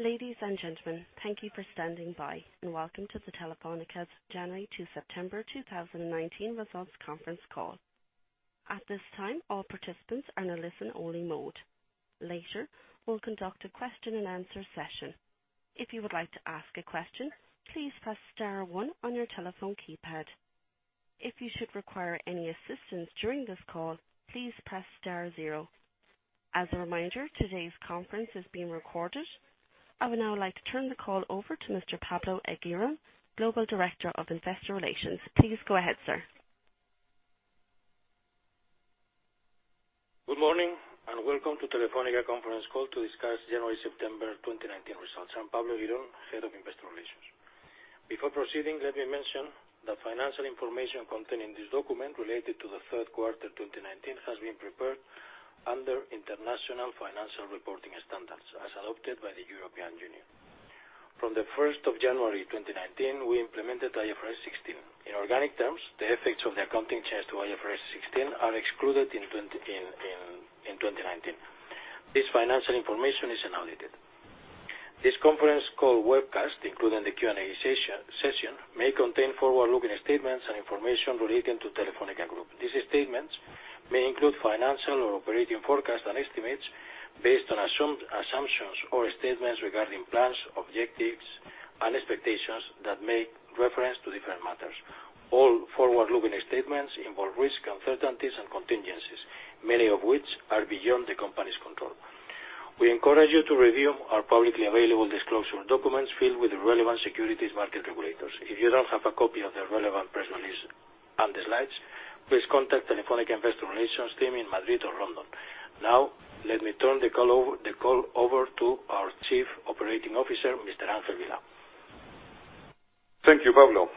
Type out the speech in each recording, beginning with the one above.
Ladies and gentlemen, thank you for standing by, and welcome to the Telefónica's January to September 2019 Results Conference Call. At this time, all participants are in a listen-only mode. Later, we'll conduct a question-and-answer session. If you would like to ask a question, please press star one on your telephone keypad. If you should require any assistance during this call, please press star zero. As a reminder, today's conference is being recorded. I would now like to turn the call over to Mr. Pablo Eguirón, Global Director of Investor Relations. Please go ahead, sir. Good morning, welcome to Telefónica conference call to discuss January to September 2019 results. I'm Pablo Eguirón, Head of Investor Relations. Before proceeding, let me mention that financial information contained in this document related to the third quarter 2019 has been prepared under International Financial Reporting Standards as adopted by the European Union. From the 1st of January 2019, we implemented IFRS 16. In organic terms, the effects of the accounting change to IFRS 16 are excluded in 2019. This financial information is unaudited. This conference call webcast, including the Q&A session, may contain forward-looking statements and information relating to Telefónica Group. These statements may include financial or operating forecasts and estimates based on assumptions or statements regarding plans, objectives, and expectations that make reference to different matters. All forward-looking statements involve risks, uncertainties, and contingencies, many of which are beyond the company's control. We encourage you to review our publicly available disclosure documents filed with the relevant securities market regulators. If you don't have a copy of the relevant press release and the slides, please contact Telefónica Investor Relations team in Madrid or London. Let me turn the call over to our Chief Operating Officer, Mr. Ángel Vilá. Thank you, Pablo.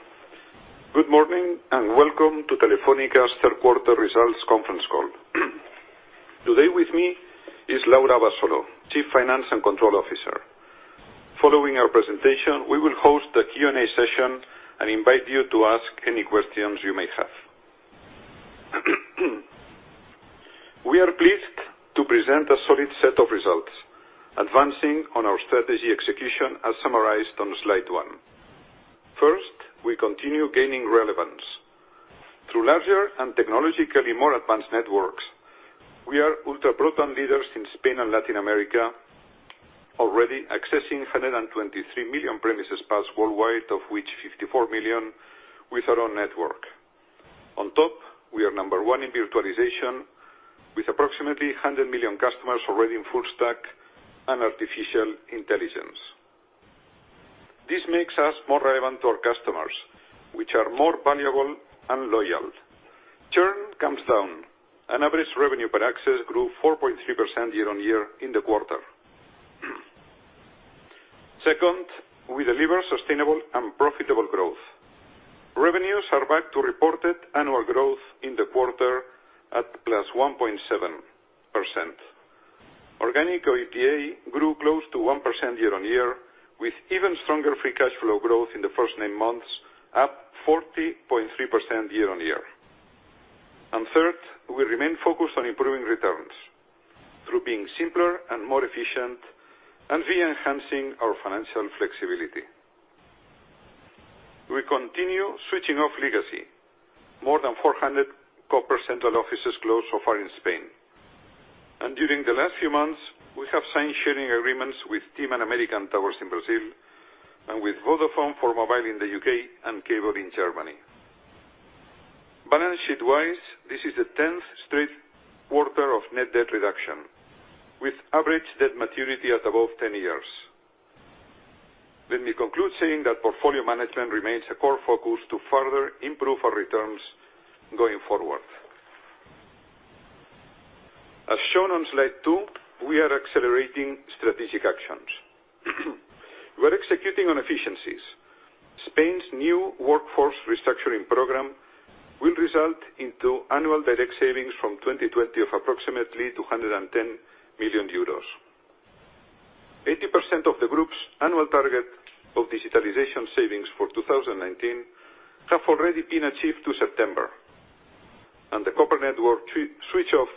Good morning, and welcome to Telefónica's Third Quarter Results Conference Call. Today with me is Laura Abasolo, Chief Financial and Control Officer. Following our presentation, we will host a Q&A session and invite you to ask any questions you may have. We are pleased to present a solid set of results, advancing on our strategy execution, as summarized on slide one. First, we continue gaining relevance. Through larger and technologically more advanced networks, we are ultra broadband leaders in Spain and Latin America, already accessing 123 million premises passed worldwide, of which 54 million with our own network. On top, we are number one in virtualization, with approximately 100 million customers already in full stack and artificial intelligence. This makes us more relevant to our customers, which are more valuable and loyal. Churn comes down. Average revenue per access grew 4.3% year-on-year in the quarter. Second, we deliver sustainable and profitable growth. Revenues are back to reported annual growth in the quarter at +1.7%. Organic OIBDA grew close to 1% year-on-year, with even stronger free cash flow growth in the first nine months, up 40.3% year-on-year. Third, we remain focused on improving returns through being simpler and more efficient and via enhancing our financial flexibility. We continue switching off legacy. More than 400 copper central offices closed so far in Spain. During the last few months, we have signed sharing agreements with TIM and American Tower in Brazil and with Vodafone for mobile in the U.K. and cable in Germany. Balance sheet-wise, this is the 10th straight quarter of net debt reduction, with average debt maturity at above 10 years. Let me conclude saying that portfolio management remains a core focus to further improve our returns going forward. As shown on slide two, we are accelerating strategic actions. We're executing on efficiencies. Spain's new workforce restructuring program will result into annual direct savings from 2020 of approximately 210 million euros. 80% of the group's annual target of digitalization savings for 2019 have already been achieved through September. The copper network switch off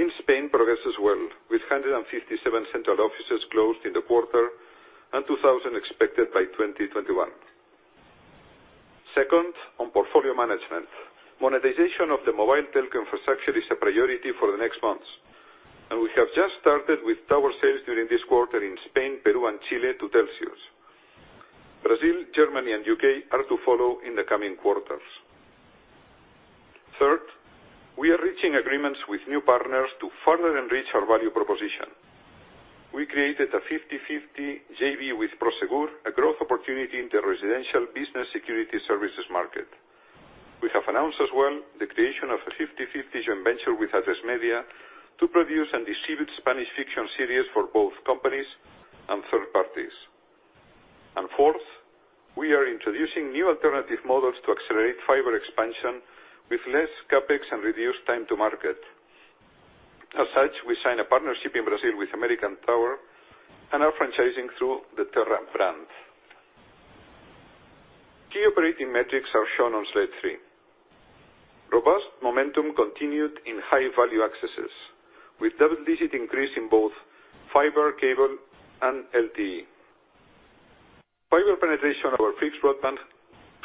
in Spain progresses well, with 157 central offices closed in the quarter and 2,000 expected by 2021. Second, on portfolio management. Monetization of the mobile telecom infrastructure is a priority for the next months, and we have just started with tower sales during this quarter in Spain, Peru, and Chile to Telxius. Brazil, Germany, and U.K. are to follow in the coming quarters. Third, we are reaching agreements with new partners to further enrich our value proposition. We created a 50/50 JV with Prosegur, a growth opportunity in the residential business security services market. We have announced as well the creation of a 50/50 joint venture with Atresmedia to produce and distribute Spanish fiction series for both companies and third parties. Fourth, we are introducing new alternative models to accelerate fiber expansion with less CapEx and reduced time to market. As such, we signed a partnership in Brazil with American Tower and are franchising through the Terra brand. Key operating metrics are shown on slide three. Robust momentum continued in high-value accesses, with double-digit increase in both fiber cable and LTE. Fiber penetration over fixed broadband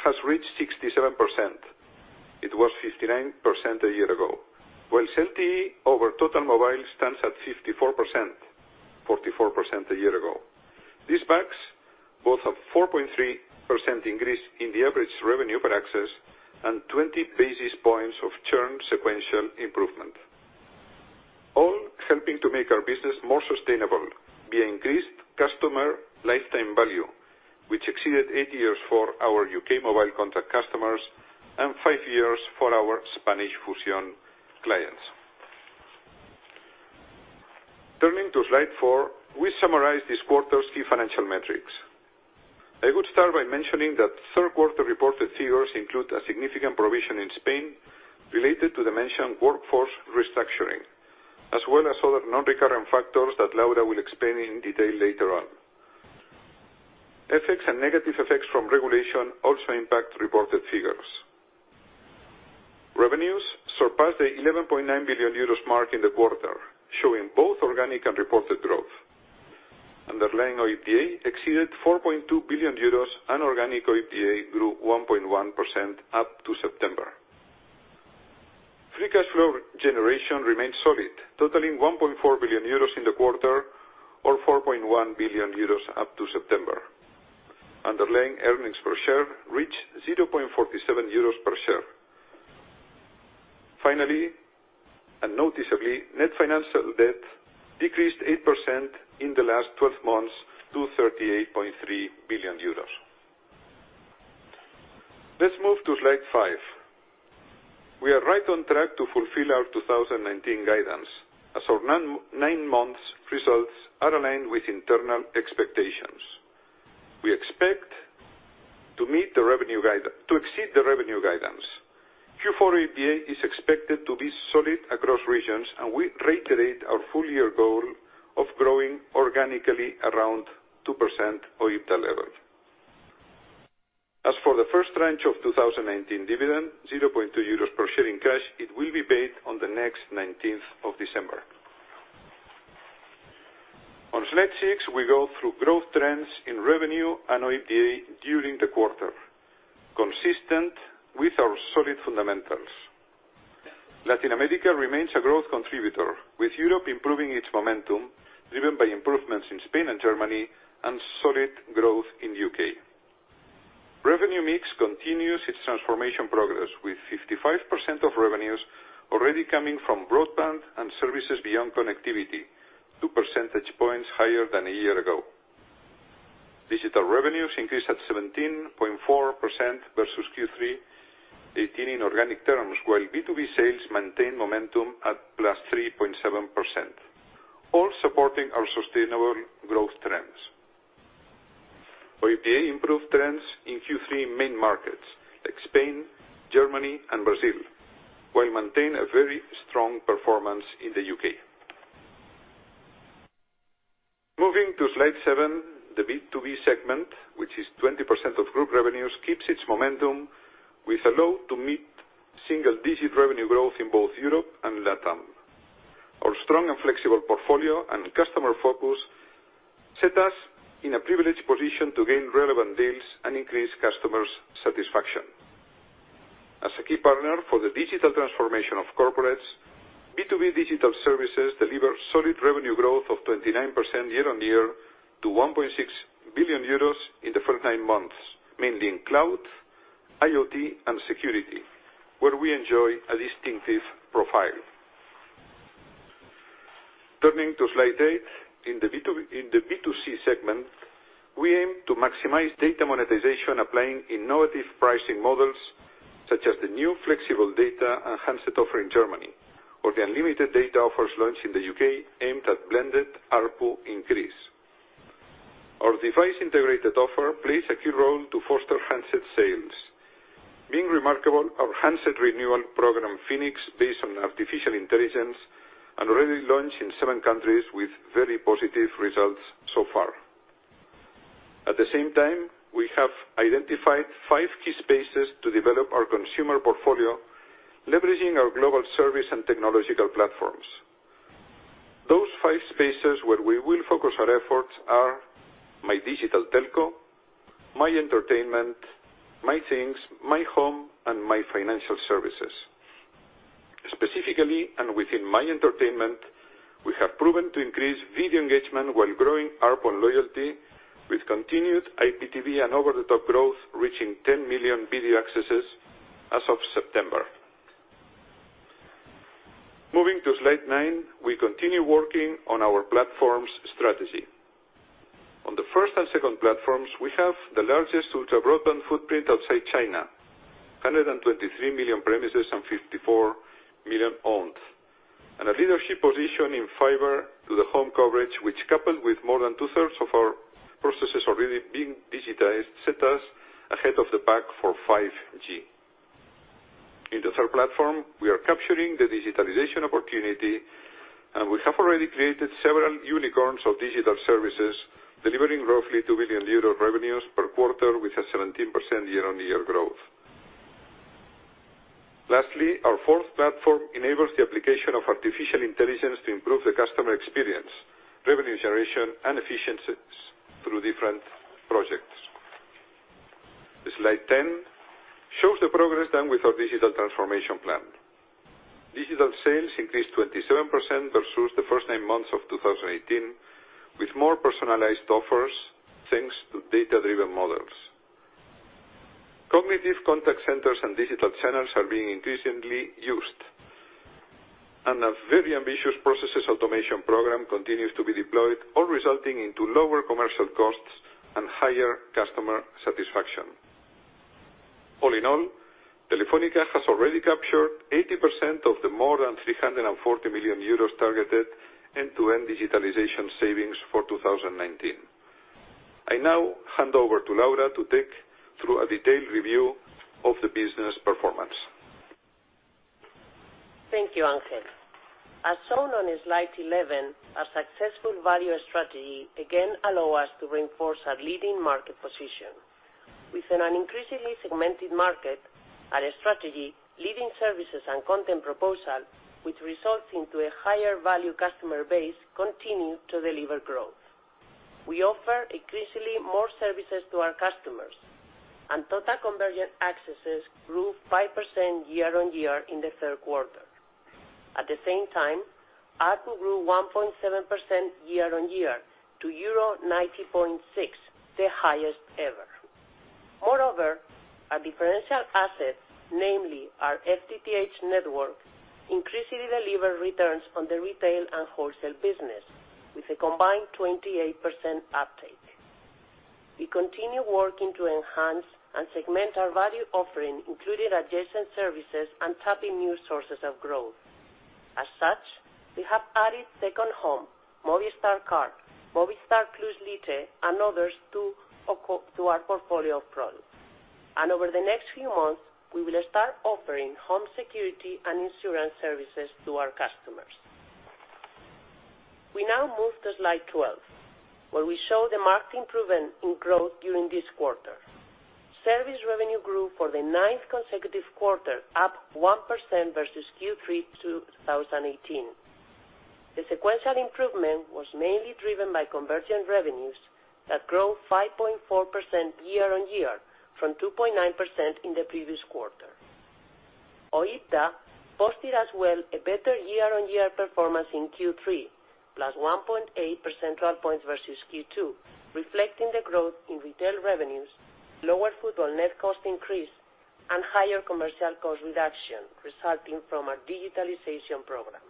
has reached 67%. It was 59% a year ago, whilst LTE over total mobile stands at 54%, 44% a year ago. This backs both a 4.3% increase in the average revenue per access and 20 basis points of churn sequential improvement, all helping to make our business more sustainable via increased customer lifetime value, which exceeded eight years for our U.K. mobile contract customers and five years for our Spanish Fusión clients. Turning to slide four, we summarize this quarter's key financial metrics. I would start by mentioning that third quarter reported figures include a significant provision in Spain related to the mentioned workforce restructuring, as well as other non-recurrent factors that Laura will explain in detail later on. Effects and negative effects from regulation also impact reported figures. Revenues surpassed the 11.9 billion euros mark in the quarter, showing both organic and reported growth. Underlying OIBDA exceeded 4.2 billion euros, and organic OIBDA grew 1.1% up to September. Free cash flow generation remained solid, totaling 1.4 billion euros in the quarter or 4.1 billion euros up to September. Underlying earnings per share reached 0.47 euros per share. Finally, and noticeably, net financial debt decreased 8% in the last 12 months to 38.3 billion euros. Let's move to slide five. We are right on track to fulfill our 2019 guidance, as our nine months results are aligned with internal expectations. We expect to exceed the revenue guidance. Q4 OIBDA is expected to be solid across regions, and we reiterate our full year goal of growing organically around 2% OIBDA level. As for the first tranche of 2019 dividend, 0.2 euros per share in cash, it will be paid on the next 19th of December. On slide six, we go through growth trends in revenue and OIBDA during the quarter, consistent with our solid fundamentals. Latin America remains a growth contributor, with Europe improving its momentum, driven by improvements in Spain and Germany and solid growth in the U.K. Revenue mix continues its transformation progress, with 55% of revenues already coming from broadband and services beyond connectivity, two percentage points higher than a year ago. Digital revenues increased at 17.4% versus Q3 2018 in organic terms, while B2B sales maintained momentum at +3.7%, all supporting our sustainable growth trends. OIBDA improved trends in Q3 main markets like Spain, Germany and Brazil, while maintain a very strong performance in the U.K. Moving to slide seven, the B2B segment, which is 20% of group revenues, keeps its momentum with allowing to meet single digit revenue growth in both Europe and LATAM. Our strong and flexible portfolio and customer focus set us in a privileged position to gain relevant deals and increase customers' satisfaction. As a key partner for the digital transformation of corporates, B2B digital services deliver solid revenue growth of 29% year-on-year to 1.6 billion euros in the first nine months, mainly in cloud, IoT, and security, where we enjoy a distinctive profile. Turning to slide eight, in the B2C segment, we aim to maximize data monetization applying innovative pricing models such as the new flexible data and handset offer in Germany or the unlimited data offers launched in the U.K. aimed at blended ARPU increase. Our device integrated offer plays a key role to foster handset sales. Being remarkable, our handset renewal program, Phoenix, based on artificial intelligence and already launched in seven countries with very positive results so far. At the same time, we have identified five key spaces to develop our consumer portfolio, leveraging our global service and technological platforms. Those five spaces where we will focus our efforts are My Digital Telco, My Entertainment, My Things, My Home, and My Financial Services. Specifically, within My Entertainment, we have proven to increase video engagement while growing ARPU and loyalty with continued IPTV and over-the-top growth, reaching 10 million video accesses as of September. Moving to slide nine, we continue working on our platforms strategy. On the first and second platforms, we have the largest ultra-broadband footprint outside China, 123 million premises and 54 million owned, and a leadership position in fiber to the home coverage, which coupled with more than two-thirds of our processes already being digitized, set us ahead of the pack for 5G. In the third platform, we are capturing the digitalization opportunity, we have already created several unicorns of digital services, delivering roughly 2 billion euros revenues per quarter with a 17% year-on-year growth. Lastly, our fourth platform enables the application of artificial intelligence to improve the customer experience, revenue generation, and efficiencies through different projects. Slide 10 shows the progress done with our digital transformation plan. Digital sales increased 27% versus the first nine months of 2018, with more personalized offers, thanks to data-driven models. Cognitive contact centers and digital channels are being increasingly used. A very ambitious processes automation program continues to be deployed, all resulting into lower commercial costs and higher customer satisfaction. All in all, Telefónica has already captured 80% of the more than 340 million euros targeted end-to-end digitalization savings for 2019. I now hand over to Laura to take through a detailed review of the business performance. Thank you, Ángel. As shown on slide 11, our successful value strategy again allow us to reinforce our leading market position. Within an increasingly segmented market, our strategy, leading services, and content proposal, which results into a higher value customer base, continue to deliver growth. We offer increasingly more services to our customers, total convergent accesses grew 5% year-on-year in the third quarter. At the same time, ARPU grew 1.7% year-on-year to euro 90.6, the highest ever. Moreover, our differential asset, namely our FTTH network, increasingly deliver returns on the retail and wholesale business with a combined 28% uptake. We continue working to enhance and segment our value offering, including adjacent services and tapping new sources of growth. As such, we have added Second Home, Movistar Card, Movistar Plus+ Lite, and others to our portfolio of products. Over the next few months, we will start offering home security and insurance services to our customers. We now move to slide 12, where we show the marked improvement in growth during this quarter. Service revenue grew for the ninth consecutive quarter, up 1% versus Q3 2018. The sequential improvement was mainly driven by convergent revenues that grew 5.4% year-on-year from 2.9% in the previous quarter. OIBDA posted as well a better year-on-year performance in Q3, plus 1.8 percentile points versus Q2, reflecting the growth in retail revenues, lower football net cost increase, and higher commercial cost reduction resulting from our digitalization program.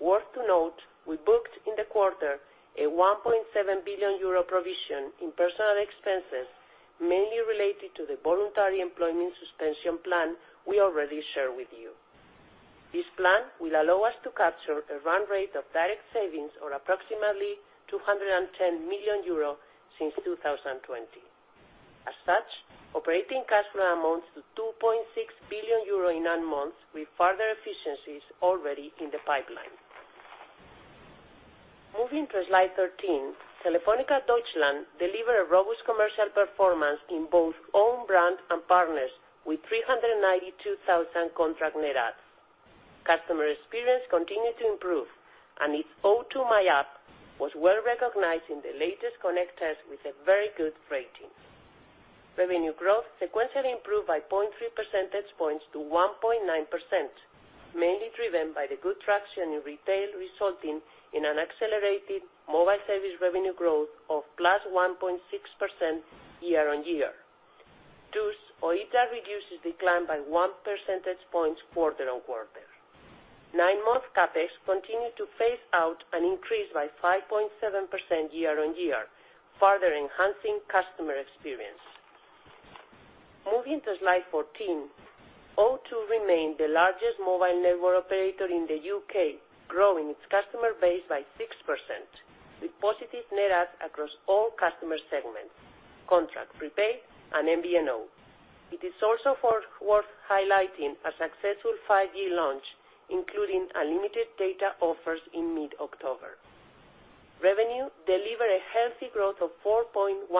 Worth to note, we booked in the quarter a 1.7 billion euro provision in personal expenses, mainly related to the voluntary employment suspension plan we already shared with you. This plan will allow us to capture a run rate of direct savings or approximately 210 million euros since 2020. As such, operating cash flow amounts to 2.6 billion euro in nine months, with further efficiencies already in the pipeline. Moving to slide 13, Telefónica Deutschland delivered a robust commercial performance in both own brand and partners with 392,000 contract net adds. Customer experience continued to improve, and its O2 My App was well recognized in the latest connect test with a very good rating. Revenue growth sequentially improved by 0.3 percentage points to 1.9%, mainly driven by the good traction in retail, resulting in an accelerated mobile service revenue growth of +1.6% year-on-year. OIBDA reduces decline by one percentage points quarter-on-quarter. Nine-month CapEx continued to phase out and increased by 5.7% year-on-year, further enhancing customer experience. Moving to slide 14, O2 remained the largest mobile network operator in the U.K., growing its customer base by 6%, with positive net adds across all customer segments: contract, prepaid, and MVNO. It is also worth highlighting a successful 5G launch, including unlimited data offers in mid-October. Revenue delivered a healthy growth of 4.1%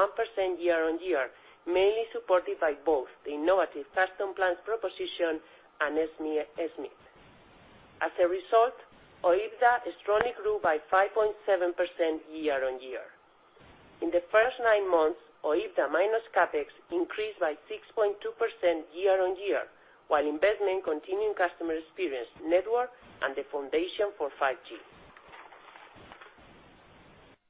year-on-year, mainly supported by both the innovative Custom Plans proposition and SMIS. OIBDA strongly grew by 5.7% year-on-year. In the first nine months, OIBDA minus CapEx increased by 6.2% year-on-year, while investment continued customer experience, network, and the foundation for 5G.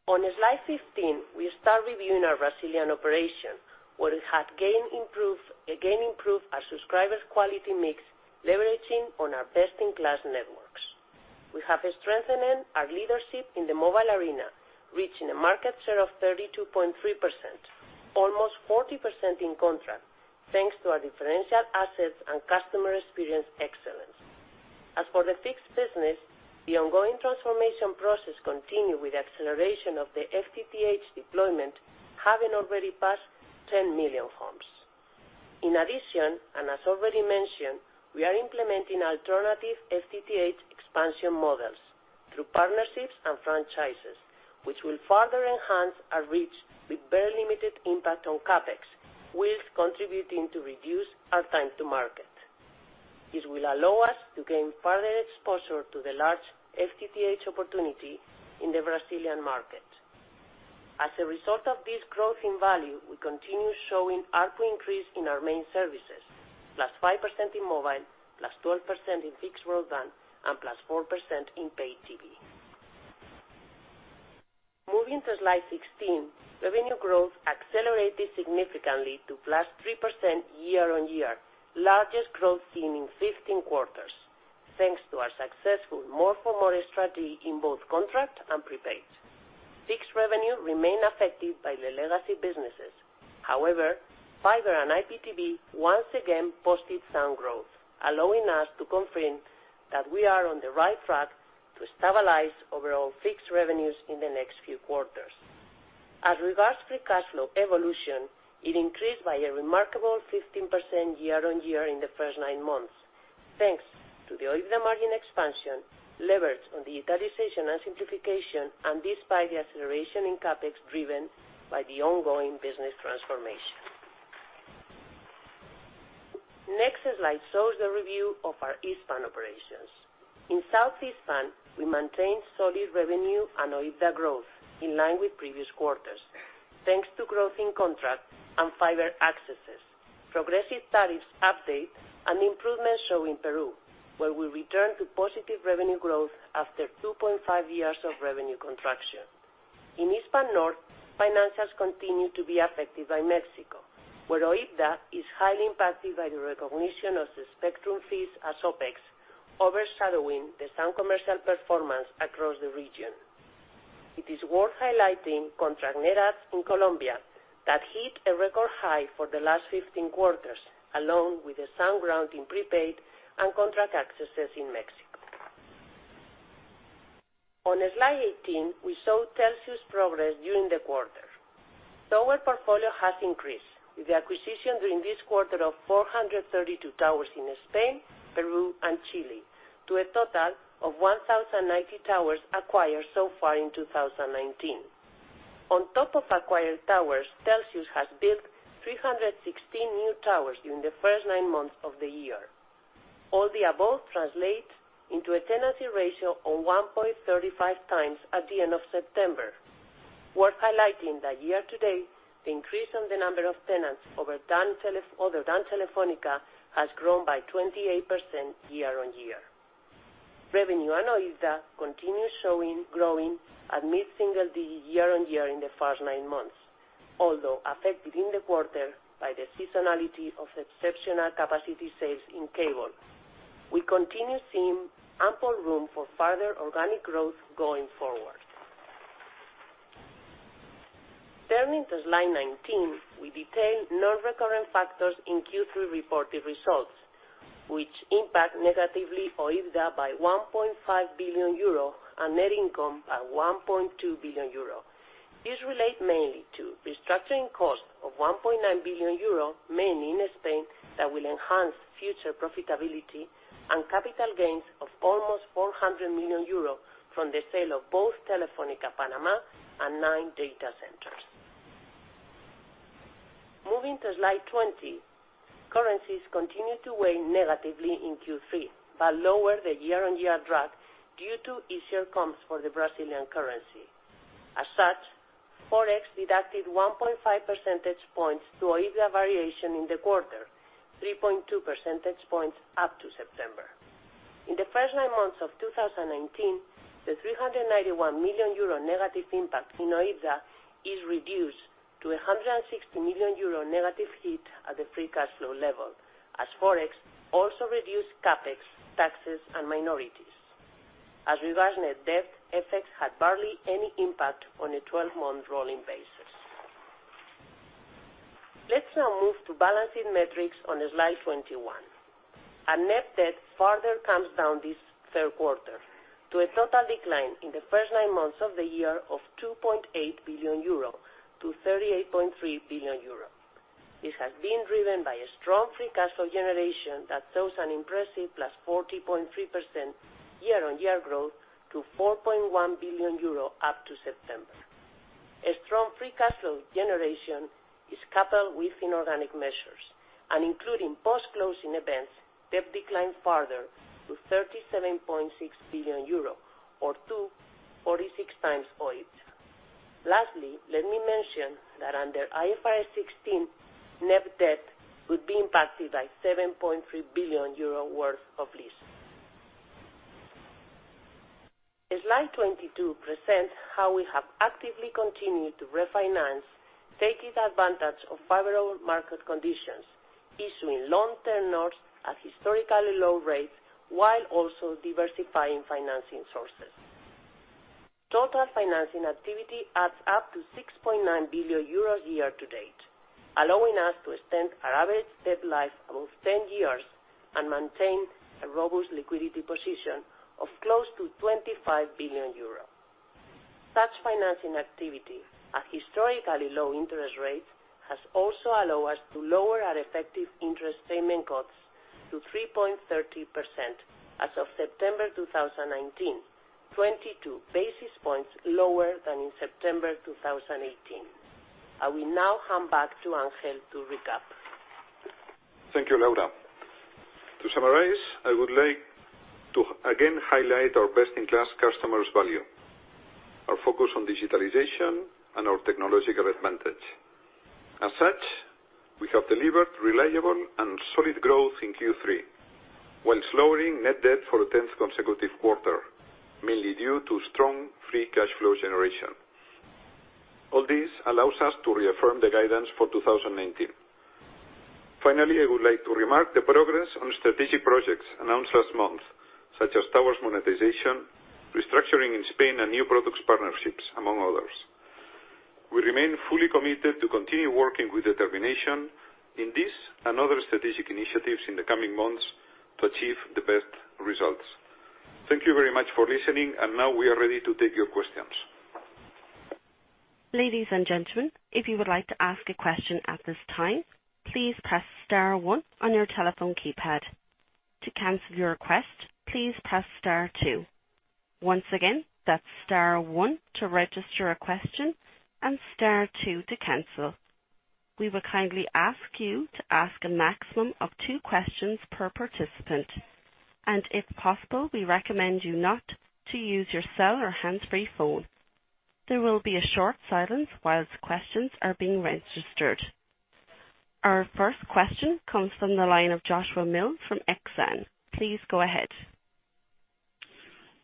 On slide 15, we start reviewing our Brazilian operation, where we have again improved our subscribers' quality mix, leveraging on our best-in-class networks. We have been strengthening our leadership in the mobile arena, reaching a market share of 32.3%, almost 40% in contract, thanks to our differential assets and customer experience excellence. As for the fixed business, the ongoing transformation process continued with acceleration of the FTTH deployment, having already passed 10 million homes. In addition, and as already mentioned, we are implementing alternative FTTH expansion models through partnerships and franchises, which will further enhance our reach with very limited impact on CapEx, while contributing to reduce our time to market. This will allow us to gain further exposure to the large FTTH opportunity in the Brazilian market. As a result of this growth in value, we continue showing ARPU increase in our main services, +5% in mobile, +12% in fixed broadband, and +4% in pay TV. Moving to slide 16, revenue growth accelerated significantly to +3% year-on-year, largest growth seen in 15 quarters, thanks to our successful More for More strategy in both contract and prepaid. Fixed revenue remained affected by the legacy businesses. Fiber and IPTV once again posted sound growth, allowing us to confirm that we are on the right track to stabilize overall fixed revenues in the next few quarters. As regards free cash flow evolution, it increased by a remarkable 15% year-on-year in the first nine months, thanks to the OIBDA margin expansion, levers on digitization and simplification, and despite the acceleration in CapEx driven by the ongoing business transformation. Next slide shows the review of our Hispam operations. In Southeast Hispam, we maintain solid revenue and OIBDA growth in line with previous quarters, thanks to growth in contract and fiber accesses, progressive tariffs update, and improvement shown in Peru, where we return to positive revenue growth after 2.5 years of revenue contraction. In Hispam North, financials continue to be affected by Mexico, where OIBDA is highly impacted by the recognition of the spectrum fees as OpEx, overshadowing the sound commercial performance across the region. It is worth highlighting contract net adds in Colombia that hit a record high for the last 15 quarters, along with the sound growth in prepaid and contract accesses in Mexico. On slide 18, we saw Telxius progress during the quarter. Tower portfolio has increased with the acquisition during this quarter of 432 towers in Spain, Peru, and Chile to a total of 1,090 towers acquired so far in 2019. On top of acquired towers, Telxius has built 316 new towers during the first nine months of the year. All the above translates into a tenancy ratio of 1.35x at the end of September. Worth highlighting that year-to-date, the increase on the number of tenants other than Telefónica has grown by 28% year-on-year. Revenue and OIBDA continue showing growing at mid-single digit year-on-year in the first nine months. Affected in the quarter by the seasonality of exceptional capacity sales in cable. We continue seeing ample room for further organic growth going forward. Turning to slide 19, we detail non-recurrent factors in Q3 reported results, which impact negatively OIBDA by 1.5 billion euro and net income by 1.2 billion euro. These relate mainly to restructuring costs of 1.9 billion euro, mainly in Spain, that will enhance future profitability, and capital gains of almost 400 million euros from the sale of both Telefónica Panama and nine data centers. Moving to slide 20. Currencies continued to weigh negatively in Q3, but lower the year-on-year drag due to easier comps for the Brazilian currency. As such, Forex deducted 1.5 percentage points to OIBDA variation in the quarter, 3.2 percentage points up to September. In the first nine months of 2019, the 391 million euro negative impact in OIBDA is reduced to a 160 million euro negative hit at the free cash flow level, as Forex also reduced CapEx, taxes, and minorities. As regards net debt, FX had barely any impact on a 12-month rolling basis. Let's now move to balancing metrics on slide 21. Our net debt further comes down this third quarter to a total decline in the first nine months of the year of 2.8 billion-38.3 billion euro. This has been driven by a strong free cash flow generation that shows an impressive +40.3% year-on-year growth to 4.1 billion euro up to September. A strong free cash flow generation is coupled with inorganic measures and including post-closing events, debt declined further to EUR 37.6 billion or 2.46x OIBDA. Lastly, let me mention that under IFRS 16, net debt would be impacted by 7.3 billion euro worth of leases. Slide 22 presents how we have actively continued to refinance, taking advantage of favorable market conditions, issuing long tenors at historically low rates while also diversifying financing sources. Total financing activity adds up to 6.9 billion euros year to date, allowing us to extend our average debt life above 10 years and maintain a robust liquidity position of close to 25 billion euros. Such financing activity at historically low interest rates has also allowed us to lower our effective interest payment costs to 3.30% as of September 2019, 22 basis points lower than in September 2018. I will now hand back to Ángel to recap. Thank you, Laura. To summarize, I would like to again highlight our best-in-class customers value, our focus on digitalization and our technological advantage. As such, we have delivered reliable and solid growth in Q3, while slowing net debt for the 10th consecutive quarter, mainly due to strong free cash flow generation. All this allows us to reaffirm the guidance for 2019. Finally, I would like to remark the progress on strategic projects announced last month, such as towers monetization, restructuring in Spain, and new products partnerships, among others. We remain fully committed to continue working with determination in this and other strategic initiatives in the coming months to achieve the best results. Thank you very much for listening, and now we are ready to take your questions. Ladies and gentlemen, if you would like to ask a question at this time, please press star one on your telephone keypad. To cancel your request, please press star two. Once again, that's star one to register a question and star two to cancel. We will kindly ask you to ask a maximum of two questions per participant. If possible, we recommend you not to use your cell or hands-free phone. There will be a short silence while the questions are being registered. Our first question comes from the line of Joshua Mills from Exane. Please go ahead.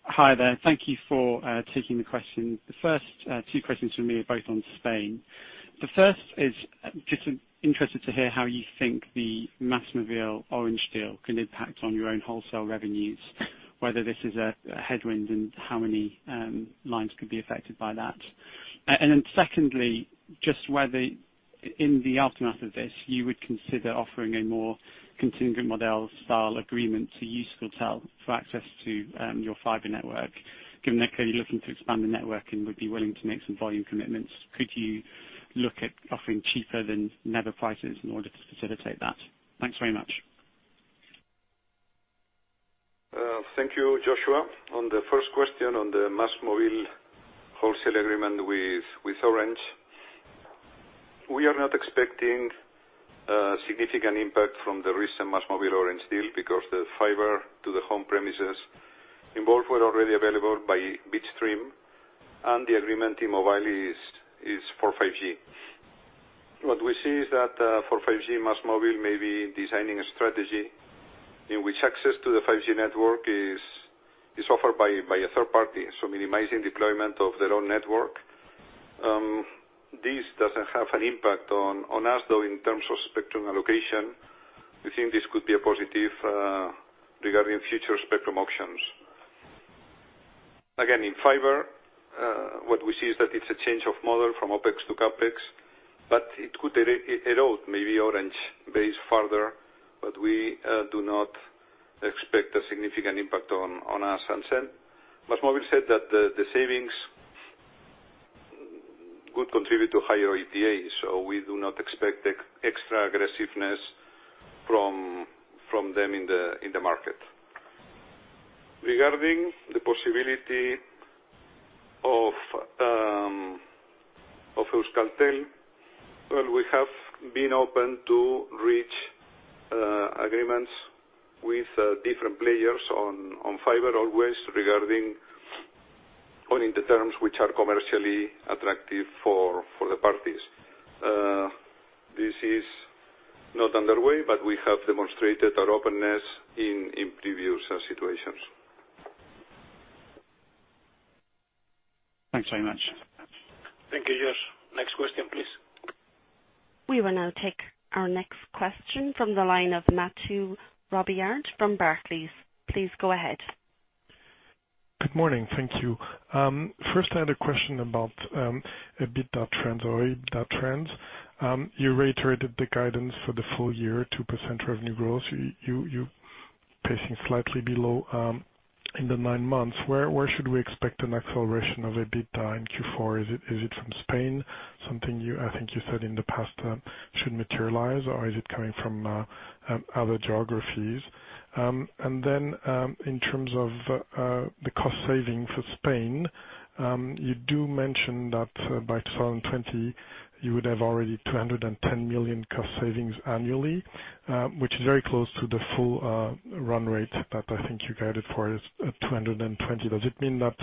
Hi there. Thank you for taking the question. The first two questions from me are both on Spain. The first is just interested to hear how you think the MásMóvil-Orange deal can impact on your own wholesale revenues, whether this is a headwind and how many lines could be affected by that. Secondly, just whether in the aftermath of this, you would consider offering a more contingent model style agreement to use Euskaltel for access to your fiber network, given that clearly looking to expand the network and would be willing to make some volume commitments. Could you look at offering cheaper than NEBA prices in order to facilitate that? Thanks very much. Thank you, Joshua. On the first question, on the MásMóvil wholesale agreement with Orange. We are not expecting a significant impact from the recent MásMóvil Orange deal because the fiber to the home premises involved were already available by Bitstream, and the agreement in Mobile is for 5G. What we see is that for 5G, MásMóvil may be designing a strategy in which access to the 5G network is offered by a third party, so minimizing deployment of their own network. This doesn't have an impact on us, though, in terms of spectrum allocation. We think this could be a positive regarding future spectrum auctions. Again, in fiber, what we see is that it's a change of model from OpEx to CapEx, but it could erode maybe Orange base further, but we do not expect a significant impact on us. MásMóvil said that the savings could contribute to higher EBITDA. We do not expect extra aggressiveness from them in the market. Regarding the possibility of Euskaltel, well, we have been open to reach agreements with different players on fiber always regarding only the terms which are commercially attractive for the parties. This is not underway, but we have demonstrated our openness in previous situations. Thanks very much. Thank you, Josh. Next question, please. We will now take our next question from the line of Mathieu Robilliard from Barclays. Please go ahead. Good morning. Thank you. First, I had a question about EBITDA trends or OIBDA trends. You reiterated the guidance for the full year, 2% revenue growth. You're pacing slightly below in the nine months. Where should we expect an acceleration of EBITDA in Q4? Is it from Spain, something I think you said in the past should materialize, or is it coming from other geographies? In terms of the cost saving for Spain, you do mention that by 2020, you would have already 210 million cost savings annually, which is very close to the full run rate that I think you guided for is at 220 million. Does it mean that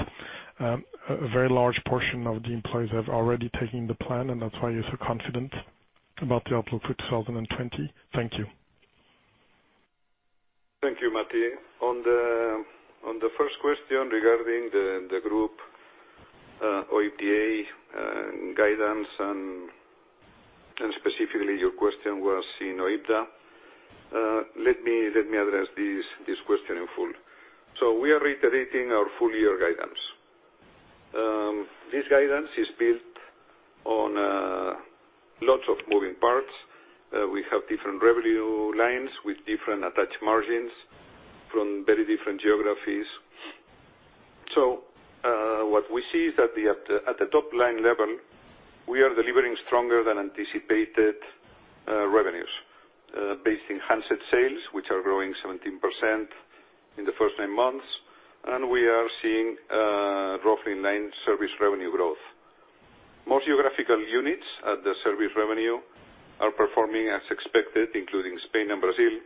a very large portion of the employees have already taken the plan, and that's why you're so confident about the outlook for 2020? Thank you. Thank you, Mathieu. On the first question regarding the group OIBDA guidance. Specifically, your question was in OIBDA. Let me address this question in full. We are reiterating our full-year guidance. This guidance is built on lots of moving parts. We have different revenue lines with different attached margins from very different geographies. What we see is that at the top-line level, we are delivering stronger than anticipated revenues, based in handset sales, which are growing 17% in the first nine months. We are seeing roughly 9% service revenue growth. Most geographical units at the service revenue are performing as expected, including Spain and Brazil.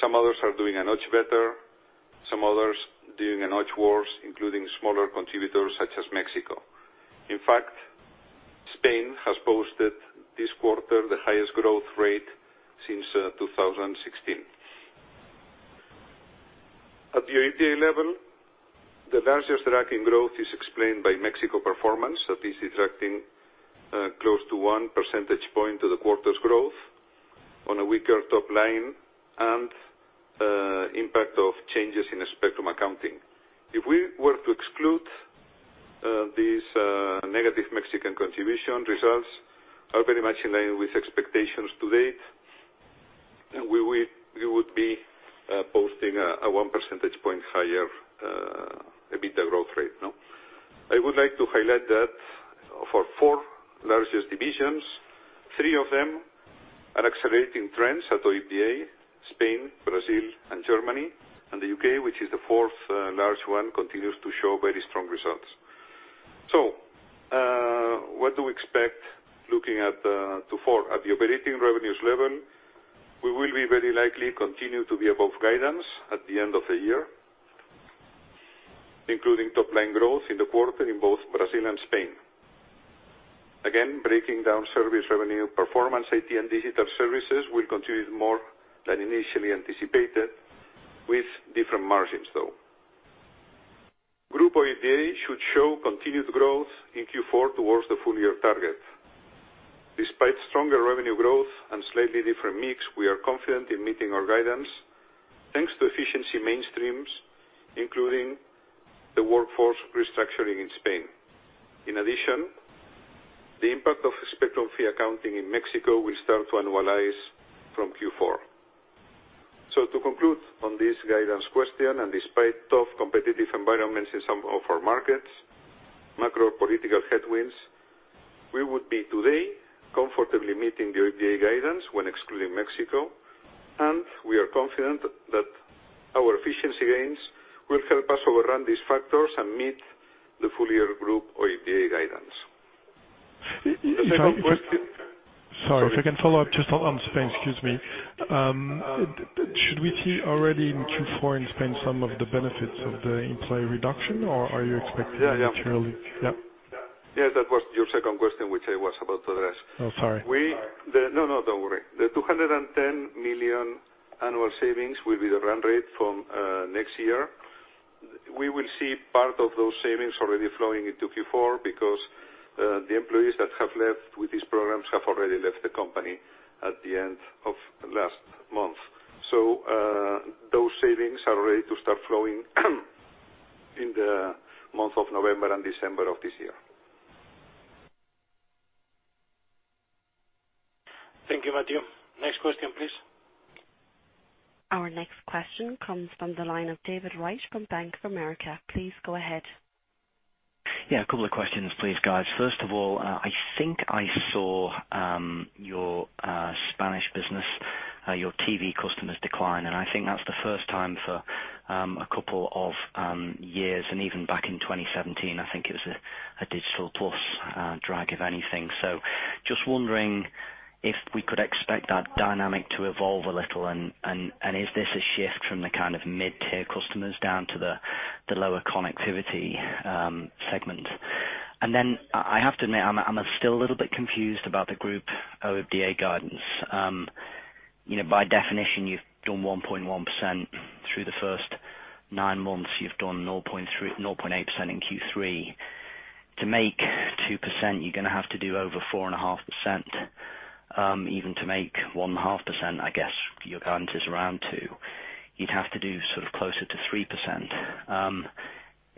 Some others are doing a notch better, some others doing a notch worse, including smaller contributors such as Mexico. In fact, Spain has posted this quarter the highest growth rate since 2016. At the OIBDA level, the largest dragging growth is explained by Mexico performance. That is attracting close to one percentage point to the quarter's growth on a weaker top line and impact of changes in the spectrum accounting. If we were to exclude this negative Mexican contribution, results are very much in line with expectations to date. We would be posting a one percentage point higher EBITDA growth rate. I would like to highlight that for four largest divisions, three of them are accelerating trends at OIBDA, Spain, Brazil, and Germany, and the U.K., which is the fourth large one, continues to show very strong results. What do we expect looking at Q4? At the operating revenues level, we will very likely continue to be above guidance at the end of the year, including top-line growth in the quarter in both Brazil and Spain. Breaking down service revenue performance, IT and digital services will continue more than initially anticipated with different margins, though. Group OIBDA should show continued growth in Q4 towards the full-year target. Despite stronger revenue growth and slightly different mix, we are confident in meeting our guidance thanks to efficiency mainstreams, including the workforce restructuring in Spain. The impact of spectrum fee accounting in Mexico will start to annualize from Q4. To conclude on this guidance question, and despite tough competitive environments in some of our markets, macro political headwinds, we would be today comfortably meeting the OIBDA guidance when excluding Mexico, and we are confident that our efficiency gains will help us overrun these factors and meet the full-year group OIBDA guidance. Sorry if I can follow up just on Spain. Excuse me. Should we see already in Q4 in Spain some of the benefits of the employee reduction, or are you expecting materially? Yeah. That was your second question, which I was about to address. Oh, sorry. No, don't worry. The 210 million annual savings will be the run rate from next year. We will see part of those savings already flowing into Q4 because the employees that have left with these programs have already left the company at the end of last month. Those savings are ready to start flowing in the month of November and December of this year. Thank you, Mathieu. Next question, please. Our next question comes from the line of David Wright from Bank of America. Please go ahead. A couple of questions, please, guys. First of all, I think I saw your Spanish business, your TV customers decline, and I think that's the first time for a couple of years, and even back in 2017, I think it was a Digital+ drag, if anything. Just wondering if we could expect that dynamic to evolve a little, and is this a shift from the mid-tier customers down to the lower connectivity segment? I have to admit, I'm still a little bit confused about the group OIBDA guidance. By definition, you've done 1.1% through the first nine months, you've done 0.8% in Q3. To make 2%, you're going to have to do over 4.5%. Even to make 1.5%, I guess your guidance is around 2%. You'd have to do closer to 3%.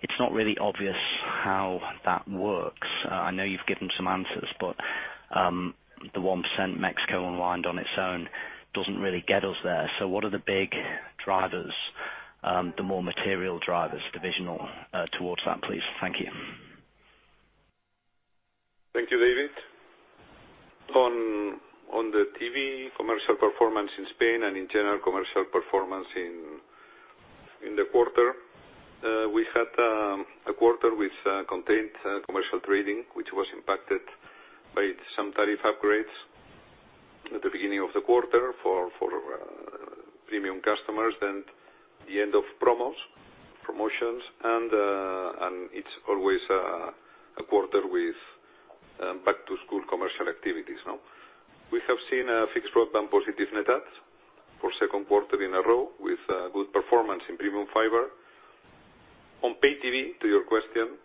It's not really obvious how that works. I know you've given some answers, but the 1% Mexico unwind on its own doesn't really get us there. What are the big drivers, the more material drivers, divisional towards that, please? Thank you. Thank you, David. On the TV commercial performance in Spain and in general commercial performance in the quarter, we had a quarter which contained commercial trading, which was impacted by some tariff upgrades at the beginning of the quarter for premium customers and the end of promos, promotions. It's always a quarter with back-to-school commercial activities. We have seen a fixed broadband positive net adds for a second quarter in a row with good performance in premium fiber. On pay TV, to your question,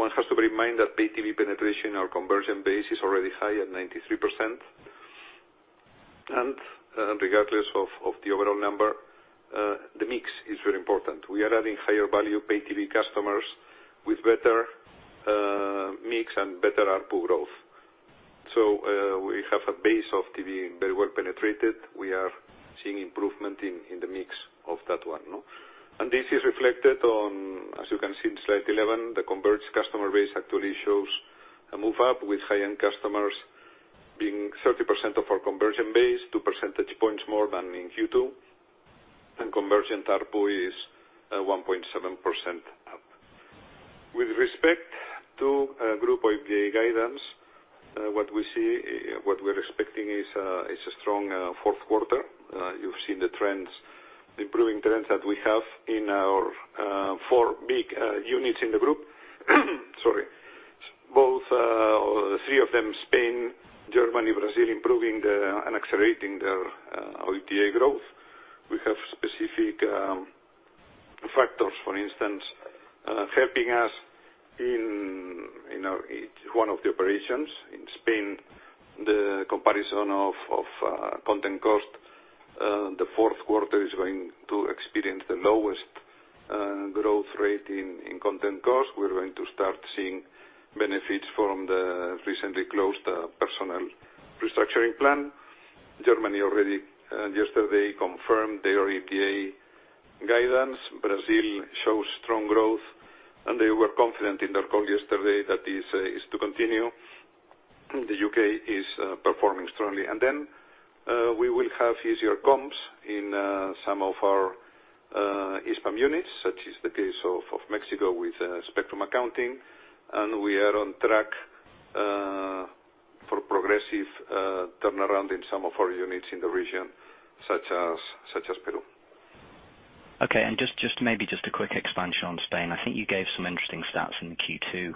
one has to bear in mind that pay TV penetration or conversion base is already high at 93%. Regardless of the overall number, the mix is very important. We are adding higher value pay TV customers with better mix and better ARPU growth. We have a base of TV very well penetrated. We are seeing improvement in the mix of that one. This is reflected on, as you can see in slide 11, the converged customer base actually shows a move up with high-end customers being 30% of our converged base, two percentage points more than in Q2, and converged ARPU is 1.7% up. With respect to group OIBDA guidance, what we're expecting is a strong fourth quarter. You've seen the improving trends that we have in our four big units in the group. Sorry. Three of them, Spain, Germany, Brazil, improving and accelerating their OIBDA growth. We have specific factors, for instance, helping us in one of the operations. In Spain, the comparison of content cost, the fourth quarter is going to experience the lowest growth rate in content cost. We're going to start seeing benefits from the recently closed personnel restructuring plan. Germany already yesterday confirmed their OIBDA guidance. Brazil shows strong growth. They were confident in their call yesterday that this is to continue. The U.K. is performing strongly. We will have easier comps in some of our Hispam units, such is the case of Mexico with spectrum accounting. We are on track for progressive turnaround in some of our units in the region, such as Peru. Okay, maybe just a quick expansion on Spain. I think you gave some interesting stats in Q2,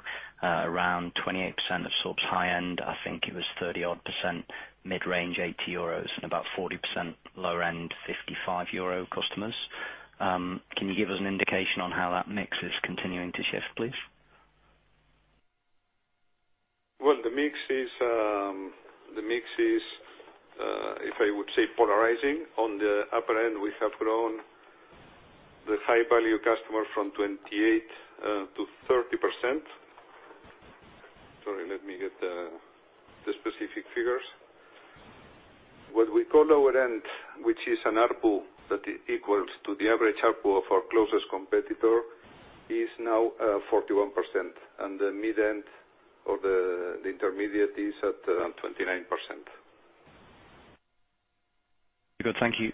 around 28% of sorts high-end. I think it was 30-odd% mid-range, 80 euros, and about 40% low-end, 55 euro customers. Can you give us an indication on how that mix is continuing to shift, please? Well, the mix is, if I would say, polarizing. On the upper end, we have grown the high-value customer from 28%-30%. Sorry, let me get the specific figures. What we call low-end, which is an ARPU that equals to the average ARPU of our closest competitor, is now 41%, and the mid-end or the intermediate is at 29%. Good. Thank you.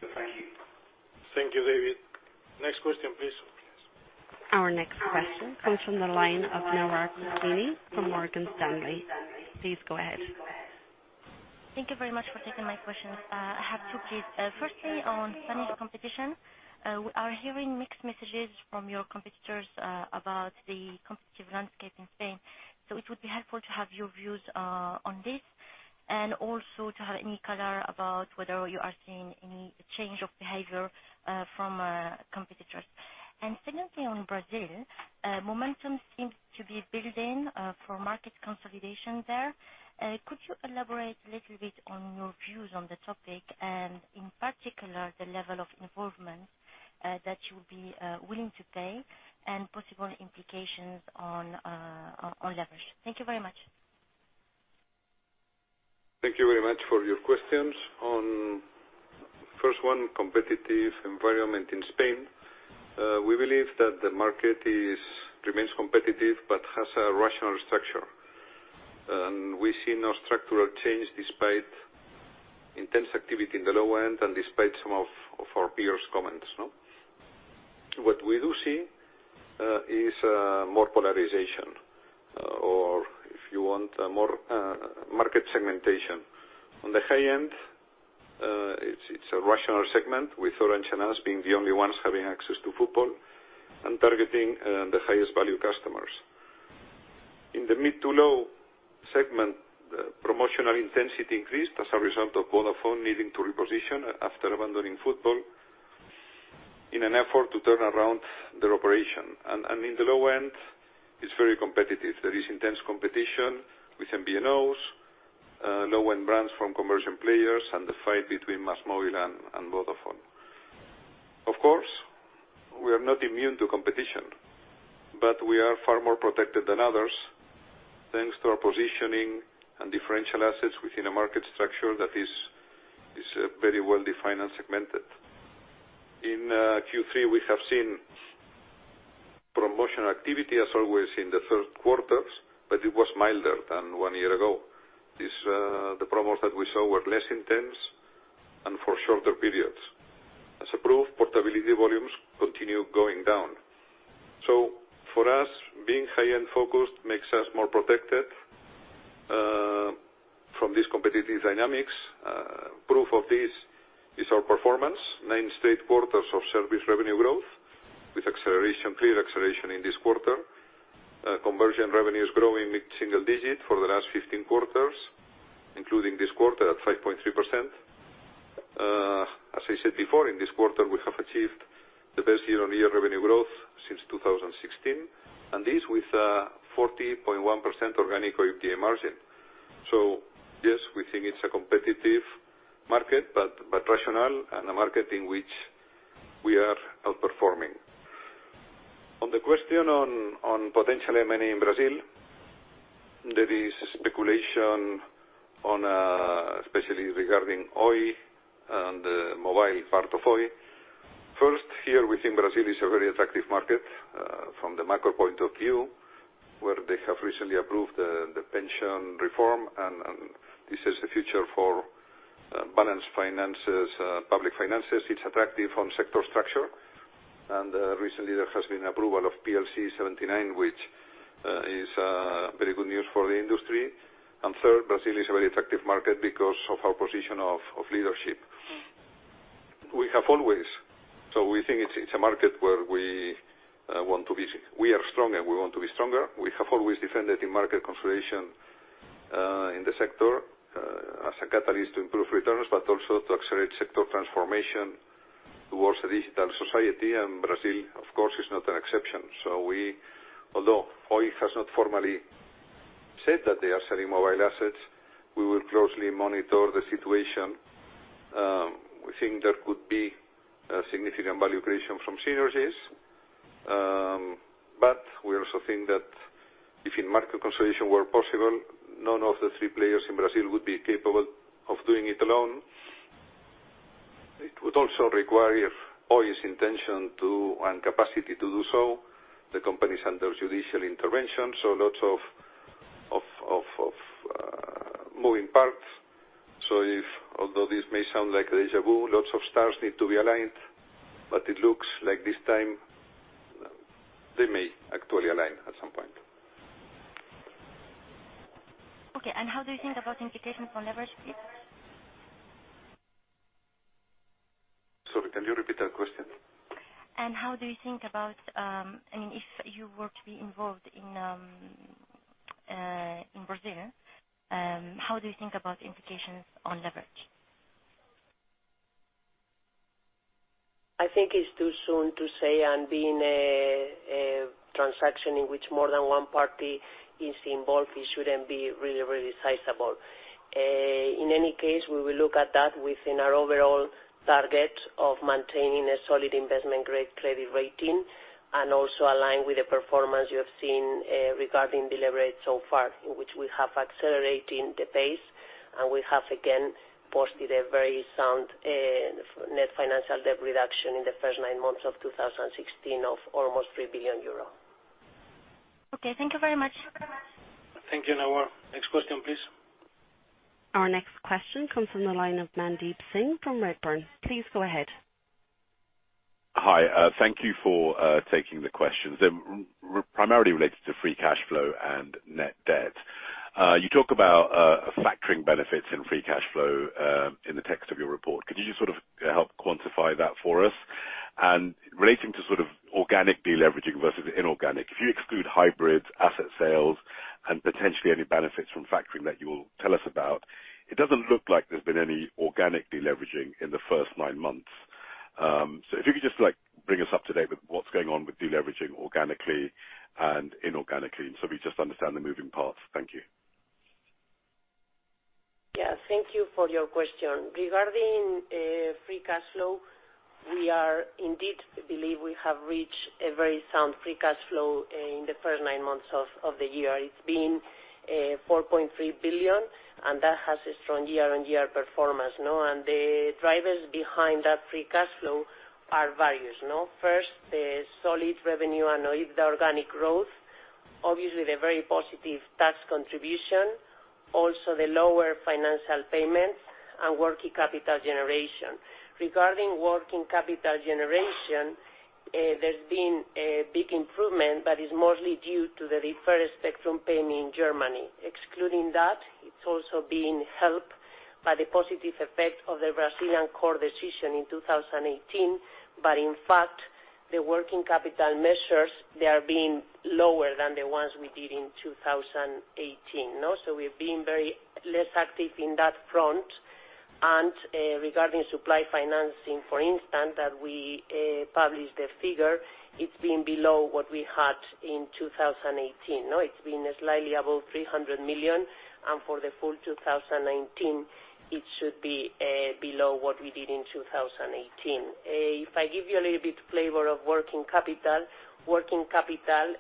Thank you, David. Next question, please. Our next question comes from the line of Nawar Cristini from Morgan Stanley. Please go ahead. Thank you very much for taking my questions. I have two, please. Firstly, on Spanish competition. We are hearing mixed messages from your competitors about the competitive landscape in Spain. It would be helpful to have your views on this, and also to have any color about whether you are seeing any change of behavior from competitors. Secondly, on Brazil, momentum seems to be building for market consolidation there. Could you elaborate a little bit on your views on the topic and, in particular, the level of involvement that you'll be willing to pay and possible implications on leverage. Thank you very much. Thank you very much for your questions. Competitive environment in Spain. We believe that the market remains competitive but has a rational structure. We see no structural change despite intense activity in the low-end and despite some of our peers' comments. What we do see is more polarization, or if you want, more market segmentation. On the high-end, it's a rational segment with Orange and Ono being the only ones having access to football and targeting the highest value customers. In the mid to low segment, promotional intensity increased as a result of Vodafone needing to reposition after abandoning football in an effort to turn around their operation. In the low-end, it's very competitive. There is intense competition with MVNOs, low-end brands from commercial players, and the fight between MásMóvil and Vodafone. Of course, we are not immune to competition, but we are far more protected than others, thanks to our positioning and differential assets within a market structure that is very well-defined and segmented. In Q3, we have seen promotional activity as always in the third quarters, it was milder than one year ago. The promos that we saw were less intense and for shorter periods. As proof, portability volumes continue going down. For us, being high-end focused makes us more protected from these competitive dynamics. Proof of this is our performance, nine straight quarters of service revenue growth with clear acceleration in this quarter. Conversion revenue is growing mid-single digit for the last 15 quarters, including this quarter at 5.3%. As I said before, in this quarter, we have achieved the best year-on-year revenue growth since 2016, and this with a 40.1% organic OIBDA margin. Yes, we think it's a competitive market, but rational, and a market in which we are outperforming. On the question on potential M&A in Brazil, there is speculation, especially regarding Oi and the mobile part of Oi. First, here we think Brazil is a very attractive market from the macro point of view, where they have recently approved the pension reform, and this is the future for balanced finances, public finances. It's attractive from sector structure. Recently there has been approval of PLC 79, which is very good news for the industry. Third, Brazil is a very attractive market because of our position of leadership. We think it's a market where we are strong, and we want to be stronger. We have always defended the market consolidation in the sector as a catalyst to improve returns, but also to accelerate sector transformation towards a digital society. Brazil, of course, is not an exception. Although Oi has not formally said that they are selling mobile assets, we will closely monitor the situation. We think there could be a significant value creation from synergies. We also think that if a market consolidation were possible, none of the three players in Brazil would be capable of doing it alone. It would also require Oi's intention and capacity to do so. The company is under judicial intervention, lots of moving parts. Although this may sound like a deja vu, lots of stars need to be aligned. It looks like this time they may actually align at some point. Okay, how do you think about implications for leverage, please? Sorry, can you repeat that question? How do you think about, if you were to be involved in Brazil, how do you think about implications on leverage? I think it's too soon to say, and being a transaction in which more than one party is involved, it shouldn't be really sizable. In any case, we will look at that within our overall target of maintaining a solid investment-grade credit rating, and also align with the performance you have seen regarding deleverage so far, in which we have accelerated the pace, and we have again posted a very sound net financial debt reduction in the first nine months of 2016 of almost 3 billion euro. Okay. Thank you very much. Thank you, Nawar. Next question, please. Our next question comes from the line of Mandeep Singh from Redburn. Please go ahead. Hi. Thank you for taking the questions. They're primarily related to free cash flow and net debt. You talk about factoring benefits in free cash flow in the text of your report. Could you just help quantify that for us? Relating to organic deleveraging versus inorganic, if you exclude hybrids, asset sales, and potentially any benefits from factoring that you will tell us about, it doesn't look like there's been any organic deleveraging in the first nine months. If you could just bring us up to date with what's going on with deleveraging organically and inorganically, so we just understand the moving parts. Thank you. Thank you for your question. Regarding free cash flow, we indeed believe we have reached a very sound free cash flow in the first nine months of the year. It's been 4.3 billion, and that has a strong year-on-year performance. The drivers behind that free cash flow are various. First, the solid revenue and OIBDA organic growth. Obviously, the very positive tax contribution. Also, the lower financial payments and working capital generation. Regarding working capital generation, there's been a big improvement, but it's mostly due to the deferred spectrum payment in Germany. Excluding that, it's also being helped by the positive effect of the Brazilian court decision in 2018. In fact, the working capital measures, they are being lower than the ones we did in 2018. We've been very less active in that front. Regarding supply financing, for instance, that we published the figure, it's been below what we had in 2018. It's been slightly above 300 million, and for the full 2019, it should be below what we did in 2018. If I give you a little bit flavor of working capital, working capital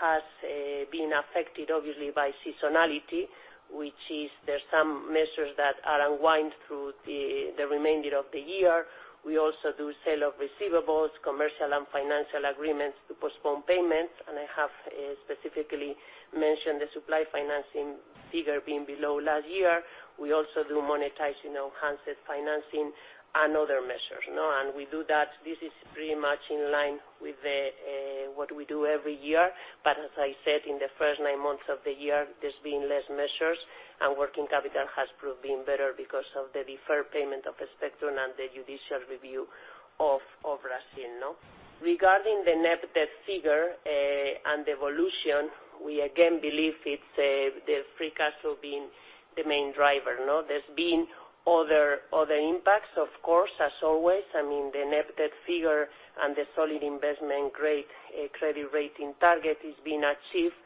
has been affected obviously by seasonality, which is there's some measures that unwind through the remainder of the year. We also do sale of receivables, commercial and financial agreements to postpone payments, and I have specifically mentioned the supply financing figure being below last year. We also do monetizing on concept financing and other measures. We do that, this is pretty much in line with what we do every year. As I said, in the first nine months of the year, there's been less measures, and working capital has proved being better because of the deferred payment of the spectrum and the judicial review of Brazil. Regarding the net debt figure and evolution, we again believe it's the free cash flow being the main driver. There's been other impacts, of course, as always. The net debt figure and the solid investment-grade credit rating target is being achieved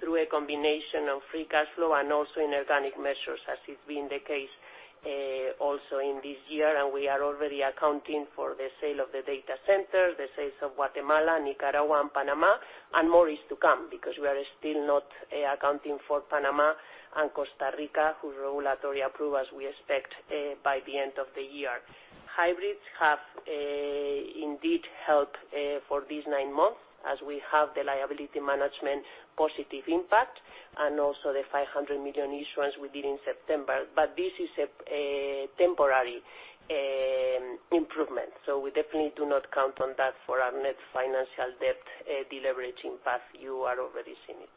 through a combination of free cash flow and also inorganic measures, as has been the case also in this year, and we are already accounting for the sale of the data center, the sales of Guatemala, Nicaragua, and Panama, and more is to come, because we are still not accounting for Panama and Costa Rica, whose regulatory approval we expect by the end of the year. Hybrids have indeed helped for these nine months, as we have the liability management positive impact, and also the 500 million issuance we did in September. This is a temporary improvement, so we definitely do not count on that for our net financial debt deleveraging path. You are already seeing it.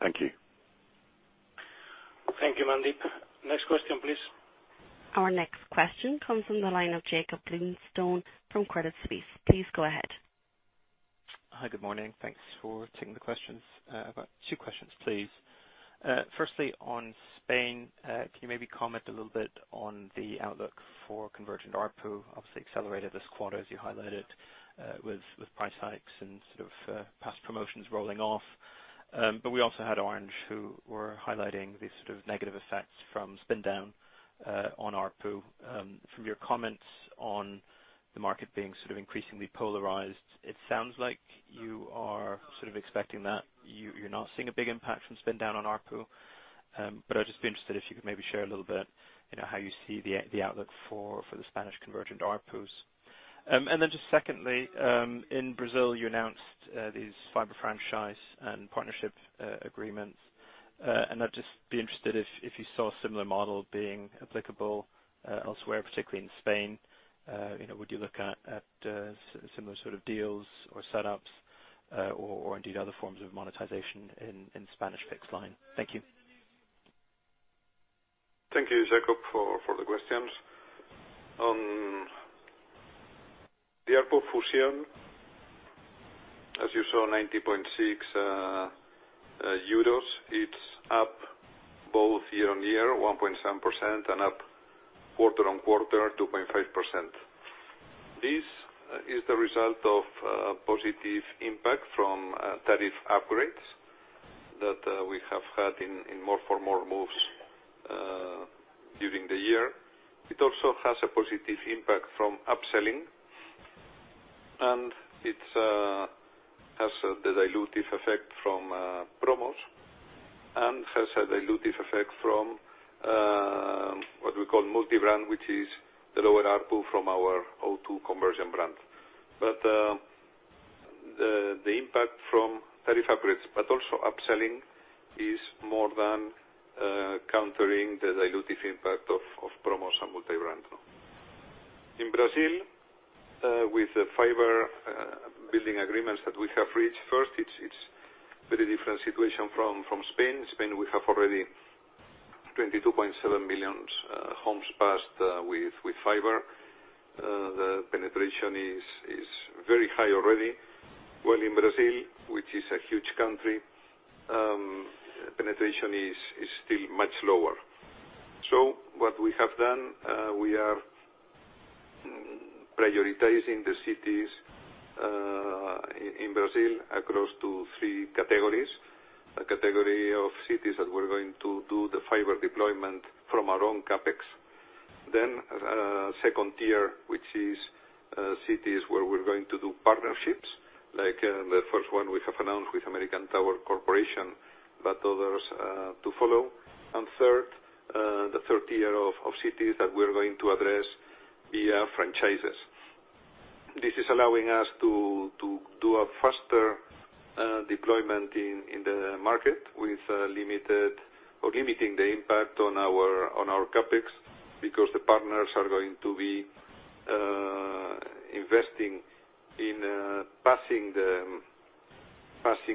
Thank you. Thank you, Mandeep. Next question, please. Our next question comes from the line of Jakob Bluestone from Credit Suisse. Please go ahead. Hi, good morning. Thanks for taking the questions. I've got two questions, please. Firstly, on Spain, can you maybe comment a little bit on the outlook for convergent ARPU, obviously accelerated this quarter, as you highlighted, with price hikes and past promotions rolling off. We also had Orange, who were highlighting these negative effects from spin down on ARPU. From your comments on the market being increasingly polarized, it sounds like you are expecting that you're not seeing a big impact from spin down on ARPU. I'd just be interested if you could maybe share a little bit, how you see the outlook for the Spanish convergent ARPU. Just secondly, in Brazil, you announced these fiber franchise and partnership agreements. I'd just be interested if you saw a similar model being applicable elsewhere, particularly in Spain. Would you look at similar sort of deals or setups or indeed other forms of monetization in Spanish fixed line? Thank you. Thank you, Jakob, for the questions. On the ARPU Fusión, as you saw, EUR 90.6, it's up both year-on-year, 1.7%, and up quarter-on-quarter, 2.5%. This is the result of a positive impact from tariff upgrades that we have had in more for more moves during the year. It also has a positive impact from upselling, and it has the dilutive effect from promos and has a dilutive effect from what we call multi-brand, which is the lower ARPU from our O2 convergent brand. The impact from tariff upgrades, but also upselling, is more than countering the dilutive impact of promos and multi-brand. In Brazil, with the fiber building agreements that we have reached, first, it's very different situation from Spain. Spain, we have already 22.7 million homes passed with fiber. The penetration is very high already, while in Brazil, which is a huge country, penetration is still much lower. What we have done, we are prioritizing the cities, in Brazil across to three categories. One category of cities that we're going to do the fiber deployment from our own CapEx. 2nd tier, which is cities where we're going to do partnerships, like the first one we have announced with American Tower Corporation, but others to follow. Third, the 3rd tier of cities that we're going to address via franchises. This is allowing us to do a faster deployment in the market with limiting the impact on our CapEx, because the partners are going to be investing in passing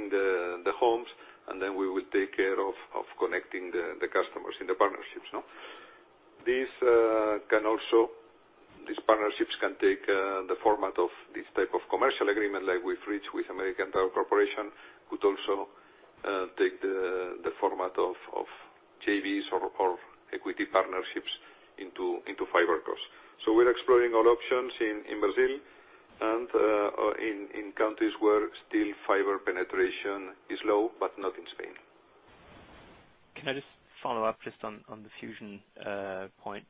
the homes, and then we will take care of connecting the customers in the partnerships. These partnerships can take the format of this type of commercial agreement like we've reached with American Tower Corporation, could also take the format of JVs or equity partnerships into fiber costs. We're exploring all options in Brazil and in countries where still fiber penetration is low, but not in Spain. Can I just follow up just on the Fusión point?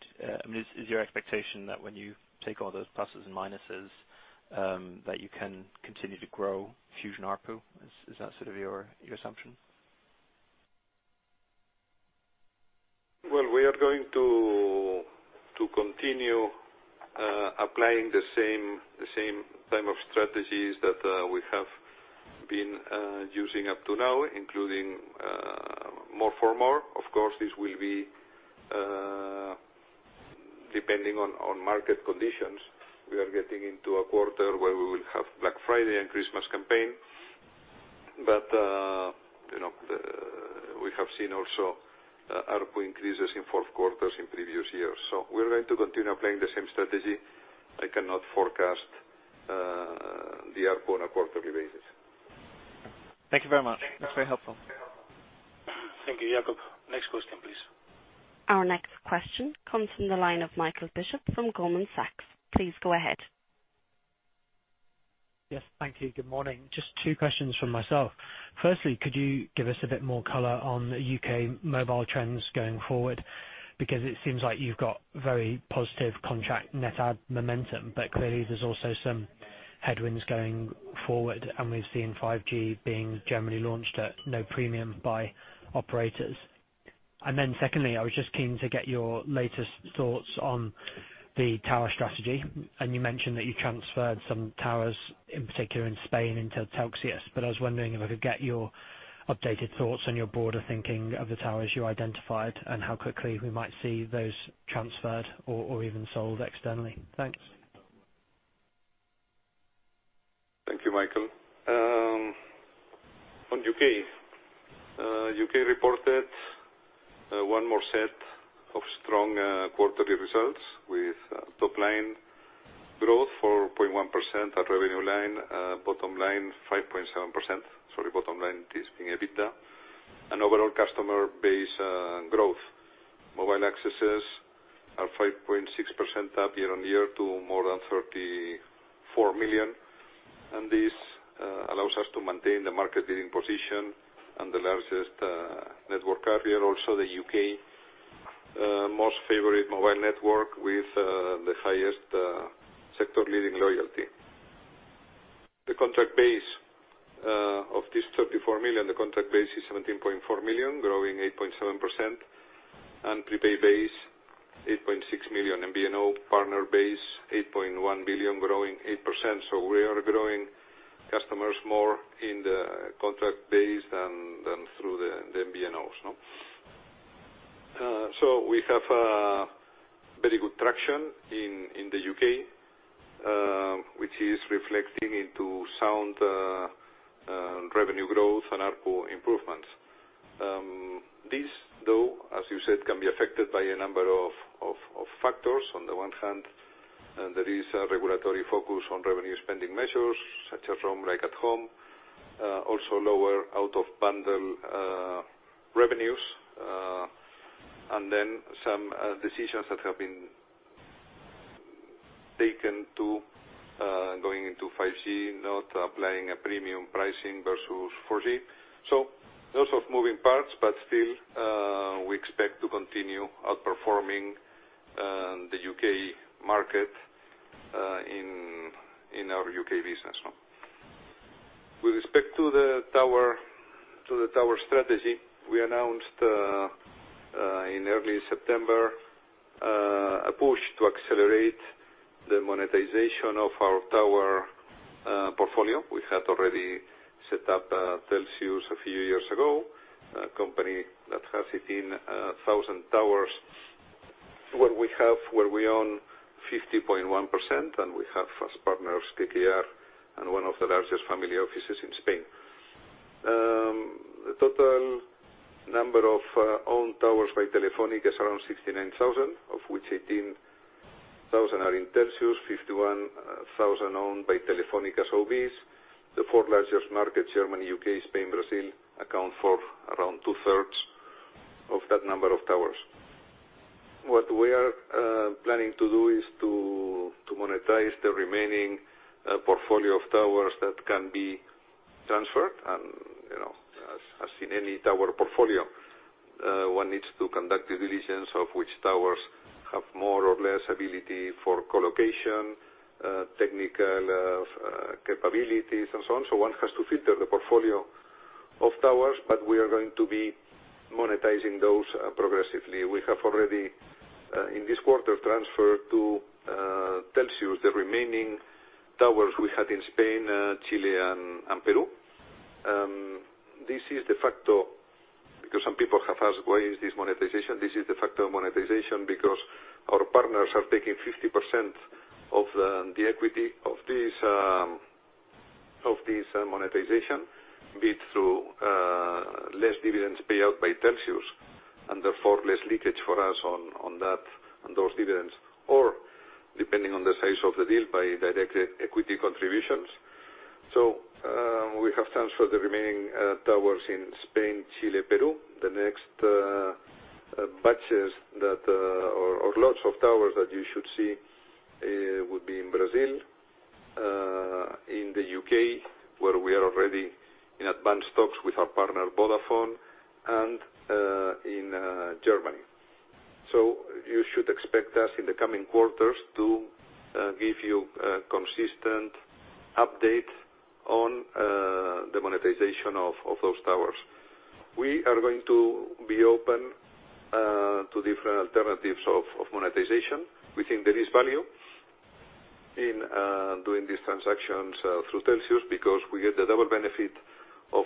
Is your expectation that when you take all those pluses and minuses, that you can continue to grow Fusión ARPU? Is that your assumption? Well, we are going to continue applying the same type of strategies that we have been using up to now, including more for more. Of course, this will be depending on market conditions. We are getting into a quarter where we will have Black Friday and Christmas campaign. We have seen also ARPU increases in fourth quarters in previous years. We're going to continue applying the same strategy. I cannot forecast the ARPU on a quarterly basis. Thank you very much. That's very helpful. Thank you, Jakob. Next question, please. Our next question comes from the line of Michael Bishop from Goldman Sachs. Please go ahead. Yes. Thank you. Good morning. Just two questions from myself. Firstly, could you give us a bit more color on the U.K. mobile trends going forward? It seems like you've got very positive contract net add momentum, but clearly there's also some headwinds going forward, and we've seen 5G being generally launched at no premium by operators. Secondly, I was just keen to get your latest thoughts on the tower strategy. You mentioned that you transferred some towers, in particular in Spain, into Telxius, I was wondering if I could get your updated thoughts on your broader thinking of the towers you identified and how quickly we might see those transferred or even sold externally. Thanks. Thank you, Michael. On U.K. U.K. reported one more set of strong quarterly results with top line growth, 4.1% at revenue line, bottom line 5.7%. Sorry, bottom line is EBITDA and overall customer base growth. Mobile accesses are 5.6% up year-over-year to more than 34 million. This allows us to maintain the market leading position and the largest network carrier, also the U.K. most favorite mobile network with the highest sector leading loyalty. The contract base of this 34 million, the contract base is 17.4 million, growing 8.7%, and prepaid base 8.6 million. MVNO partner base 8.1 million, growing 8%. We are growing customers more in the contract base than through the MVNOs. We have very good traction in the U.K., which is reflecting into sound revenue growth and ARPU improvements. This, though, as you said, can be affected by a number of factors. On the one hand, there is a regulatory focus on revenue spending measures such as roam like at home, also lower out-of-bundle revenues, and then some decisions that have been taken to going into 5G, not applying a premium pricing versus 4G. Lots of moving parts, but still, we expect to continue outperforming the U.K. market, in our U.K. business. With respect to the tower strategy, we announced in early September, a push to accelerate the monetization of our tower portfolio. We had already set up Telxius a few years ago, a company that has 18,000 towers where we own 50.1%, and we have as partners KKR and one of the largest family offices in Spain. The total number of owned towers by Telefónica is around 69,000, of which 18,000 are in Telxius, 51,000 owned by Telefónica SOVs. The four largest markets, Germany, U.K., Spain, Brazil, account for around 2/3 of that number of towers. What we are planning to do is to monetize the remaining portfolio of towers that can be transferred. As in any tower portfolio, one needs to conduct due diligence of which towers have more or less ability for co-location, technical capabilities, and so on. One has to filter the portfolio of towers, we are going to be monetizing those progressively. We have already, in this quarter, transferred to Telxius the remaining towers we had in Spain, Chile, and Peru. This is de facto because some people have asked why is this monetization. This is de facto monetization because our partners are taking 50% of the equity of this monetization, be it through less dividends payout by Telxius and therefore less leakage for us on those dividends, or depending on the size of the deal, by direct equity contributions. We have transferred the remaining towers in Spain, Chile, Peru. The next batches or lots of towers that you should see would be in Brazil, in the U.K., where we are already in advanced talks with our partner Vodafone, and in Germany. You should expect us in the coming quarters to give you a consistent update on the monetization of those towers. We are going to be open to different alternatives of monetization. We think there is value in doing these transactions through Telxius because we get the double benefit of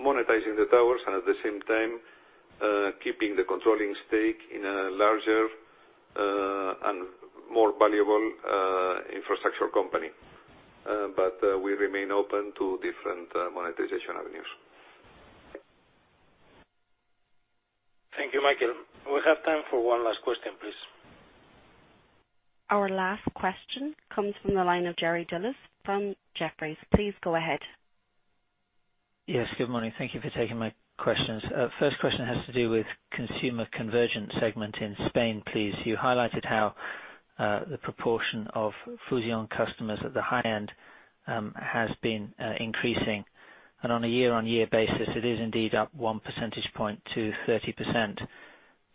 monetizing the towers and at the same time keeping the controlling stake in a larger and more valuable infrastructural company. We remain open to different monetization avenues. Thank you, Michael. We have time for one last question, please. Our last question comes from the line of Jerry Dellis from Jefferies. Please go ahead. Yes, good morning. Thank you for taking my questions. First question has to do with consumer convergent segment in Spain, please. You highlighted how the proportion of Fusión customers at the high end has been increasing. On a year-on-year basis, it is indeed up 1 percentage point to 30%.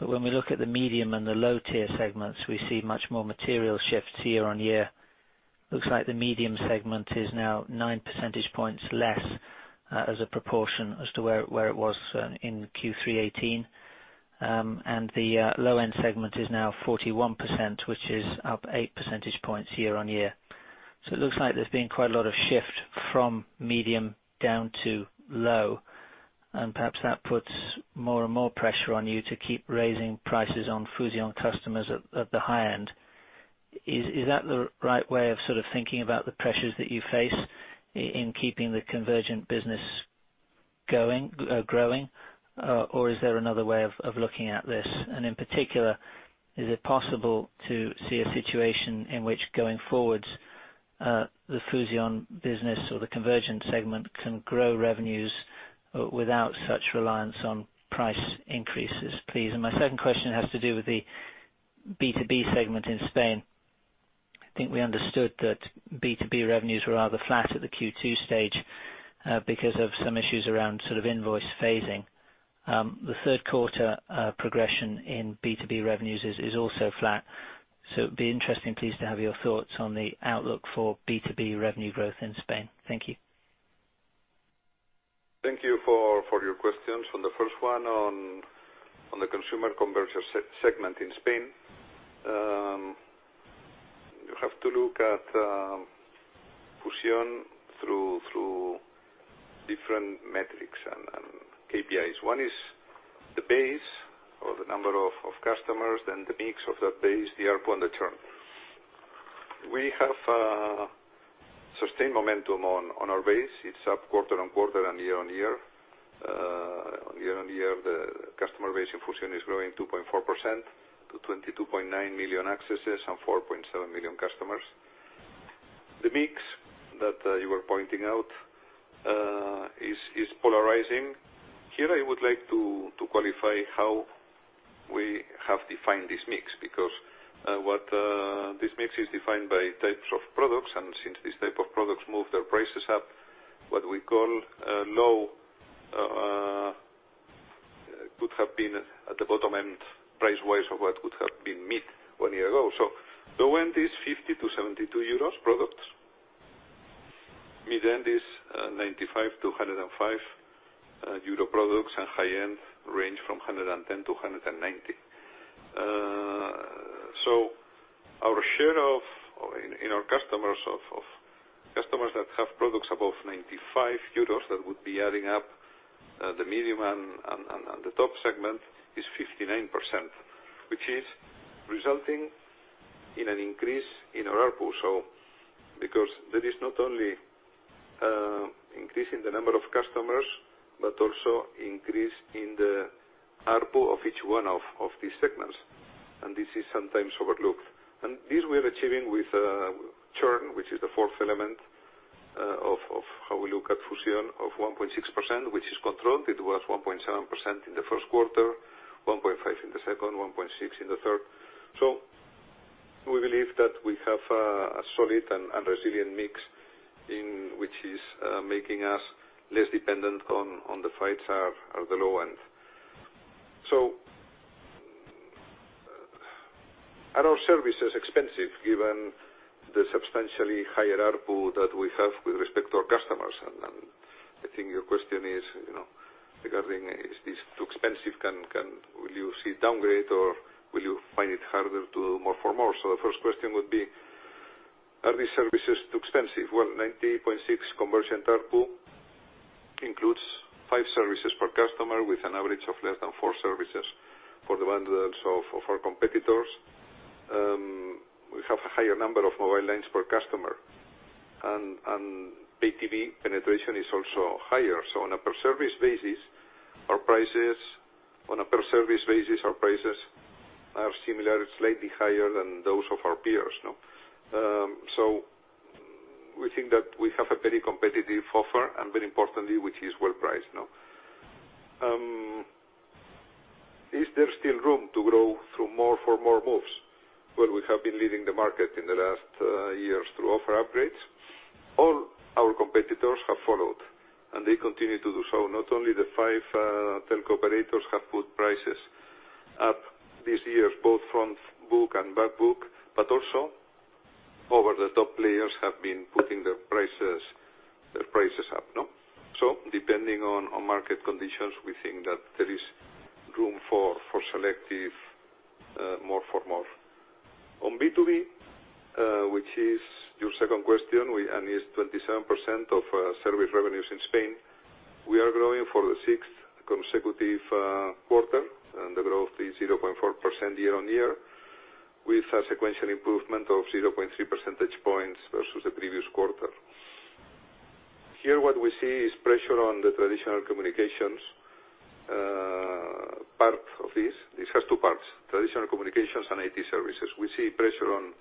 When we look at the medium and the low tier segments, we see much more material shifts year-on-year. Looks like the medium segment is now 9 percentage points less as a proportion as to where it was in Q3 2018. The low-end segment is now 41%, which is up 8 percentage points year-on-year. It looks like there's been quite a lot of shift from medium down to low, and perhaps that puts more and more pressure on you to keep raising prices on Fusión customers at the high end. Is that the right way of thinking about the pressures that you face in keeping the convergent business growing, or is there another way of looking at this? In particular, is it possible to see a situation in which, going forward, the Fusión business or the convergent segment can grow revenues without such reliance on price increases, please? My second question has to do with the B2B segment in Spain. I think we understood that B2B revenues were rather flat at the Q2 stage because of some issues around invoice phasing. The third quarter progression in B2B revenues is also flat. It'd be interesting, please, to have your thoughts on the outlook for B2B revenue growth in Spain. Thank you. Thank you for your questions. On the first one on the consumer convergent segment in Spain, you have to look at Fusión through different metrics and KPIs. One is the base or the number of customers, then the mix of that base, the ARPU, and the churn. We have sustained momentum on our base. It's up quarter-on-quarter and year-on-year. On year-on-year, the customer base in Fusión is growing 2.4% to 22.9 million accesses and 4.7 million customers. The mix that you are pointing out is polarizing. Here, I would like to qualify how we have defined this mix, because this mix is defined by types of products, and since these type of products move their prices up, what we call low could have been at the bottom end price-wise of what could have been mid one year ago. Low end is 50-72 euros products. Mid end is 95-105 euro products, and high end range from 110-190. Our share in our customers that have products above 95 euros, that would be adding up the medium and the top segment is 59%, which is resulting in an increase in our ARPU. Because there is not only increase in the number of customers, but also increase in the ARPU of each one of these segments, and this is sometimes overlooked. This we are achieving with churn, which is the fourth element of how we look at Fusión of 1.6%, which is controlled. It was 1.7% in the first quarter, 1.5% in the second, 1.6% in the third. We believe that we have a solid and resilient mix which is making us less dependent on the fights at the low end. Are our services expensive given the substantially higher ARPU that we have with respect to our customers? I think your question is regarding, is this too expensive? Will you see downgrade or will you find it harder to do more for more? The first question would be, are these services too expensive? Well, 90.6 convergent ARPU includes five services per customer with an average of less than four services for the hundreds of our competitors. We have a higher number of mobile lines per customer, and pay TV penetration is also higher. On a per service basis, our prices are similar, slightly higher than those of our peers. We think that we have a very competitive offer, and very importantly, which is well priced. Is there still room to grow through more for more moves? Well, we have been leading the market in the last years through offer upgrades. All our competitors have followed, and they continue to do so. Not only the five telco operators have put prices up these years, both front book and back book, but also over-the-top players have been putting their prices up. Depending on market conditions, we think that there is room for selective more for more. On B2B, which is your second question, and is 27% of service revenues in Spain, we are growing for the sixth consecutive quarter, and the growth is 0.4% year-on-year with a sequential improvement of 0.3 percentage points versus the previous quarter. Here, what we see is pressure on the traditional communications part of this. This has two parts, traditional communications and IT services. We see pressure on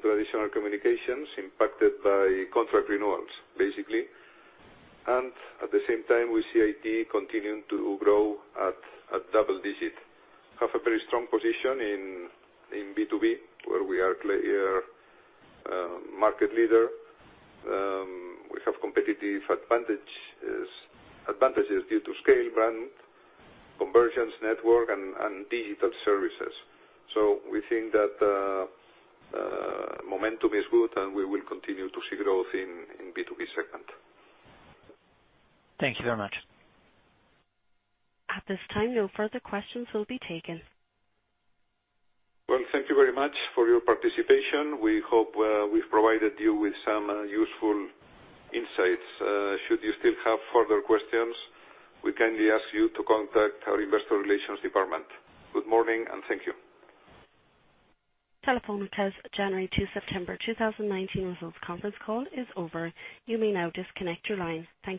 traditional communications impacted by contract renewals, basically. At the same time, we see IT continuing to grow at double digit. We have a very strong position in B2B, where we are clear market leader. We have competitive advantages due to scale, brand, convergence network, and digital services. We think that momentum is good, and we will continue to see growth in B2B segment. Thank you very much. At this time, no further questions will be taken. Well, thank you very much for your participation. We hope we've provided you with some useful insights. Should you still have further questions, we kindly ask you to contact our investor relations department. Good morning, and thank you. Telefónica's January 2, September 2019 results conference call is over. You may now disconnect your line. Thank you.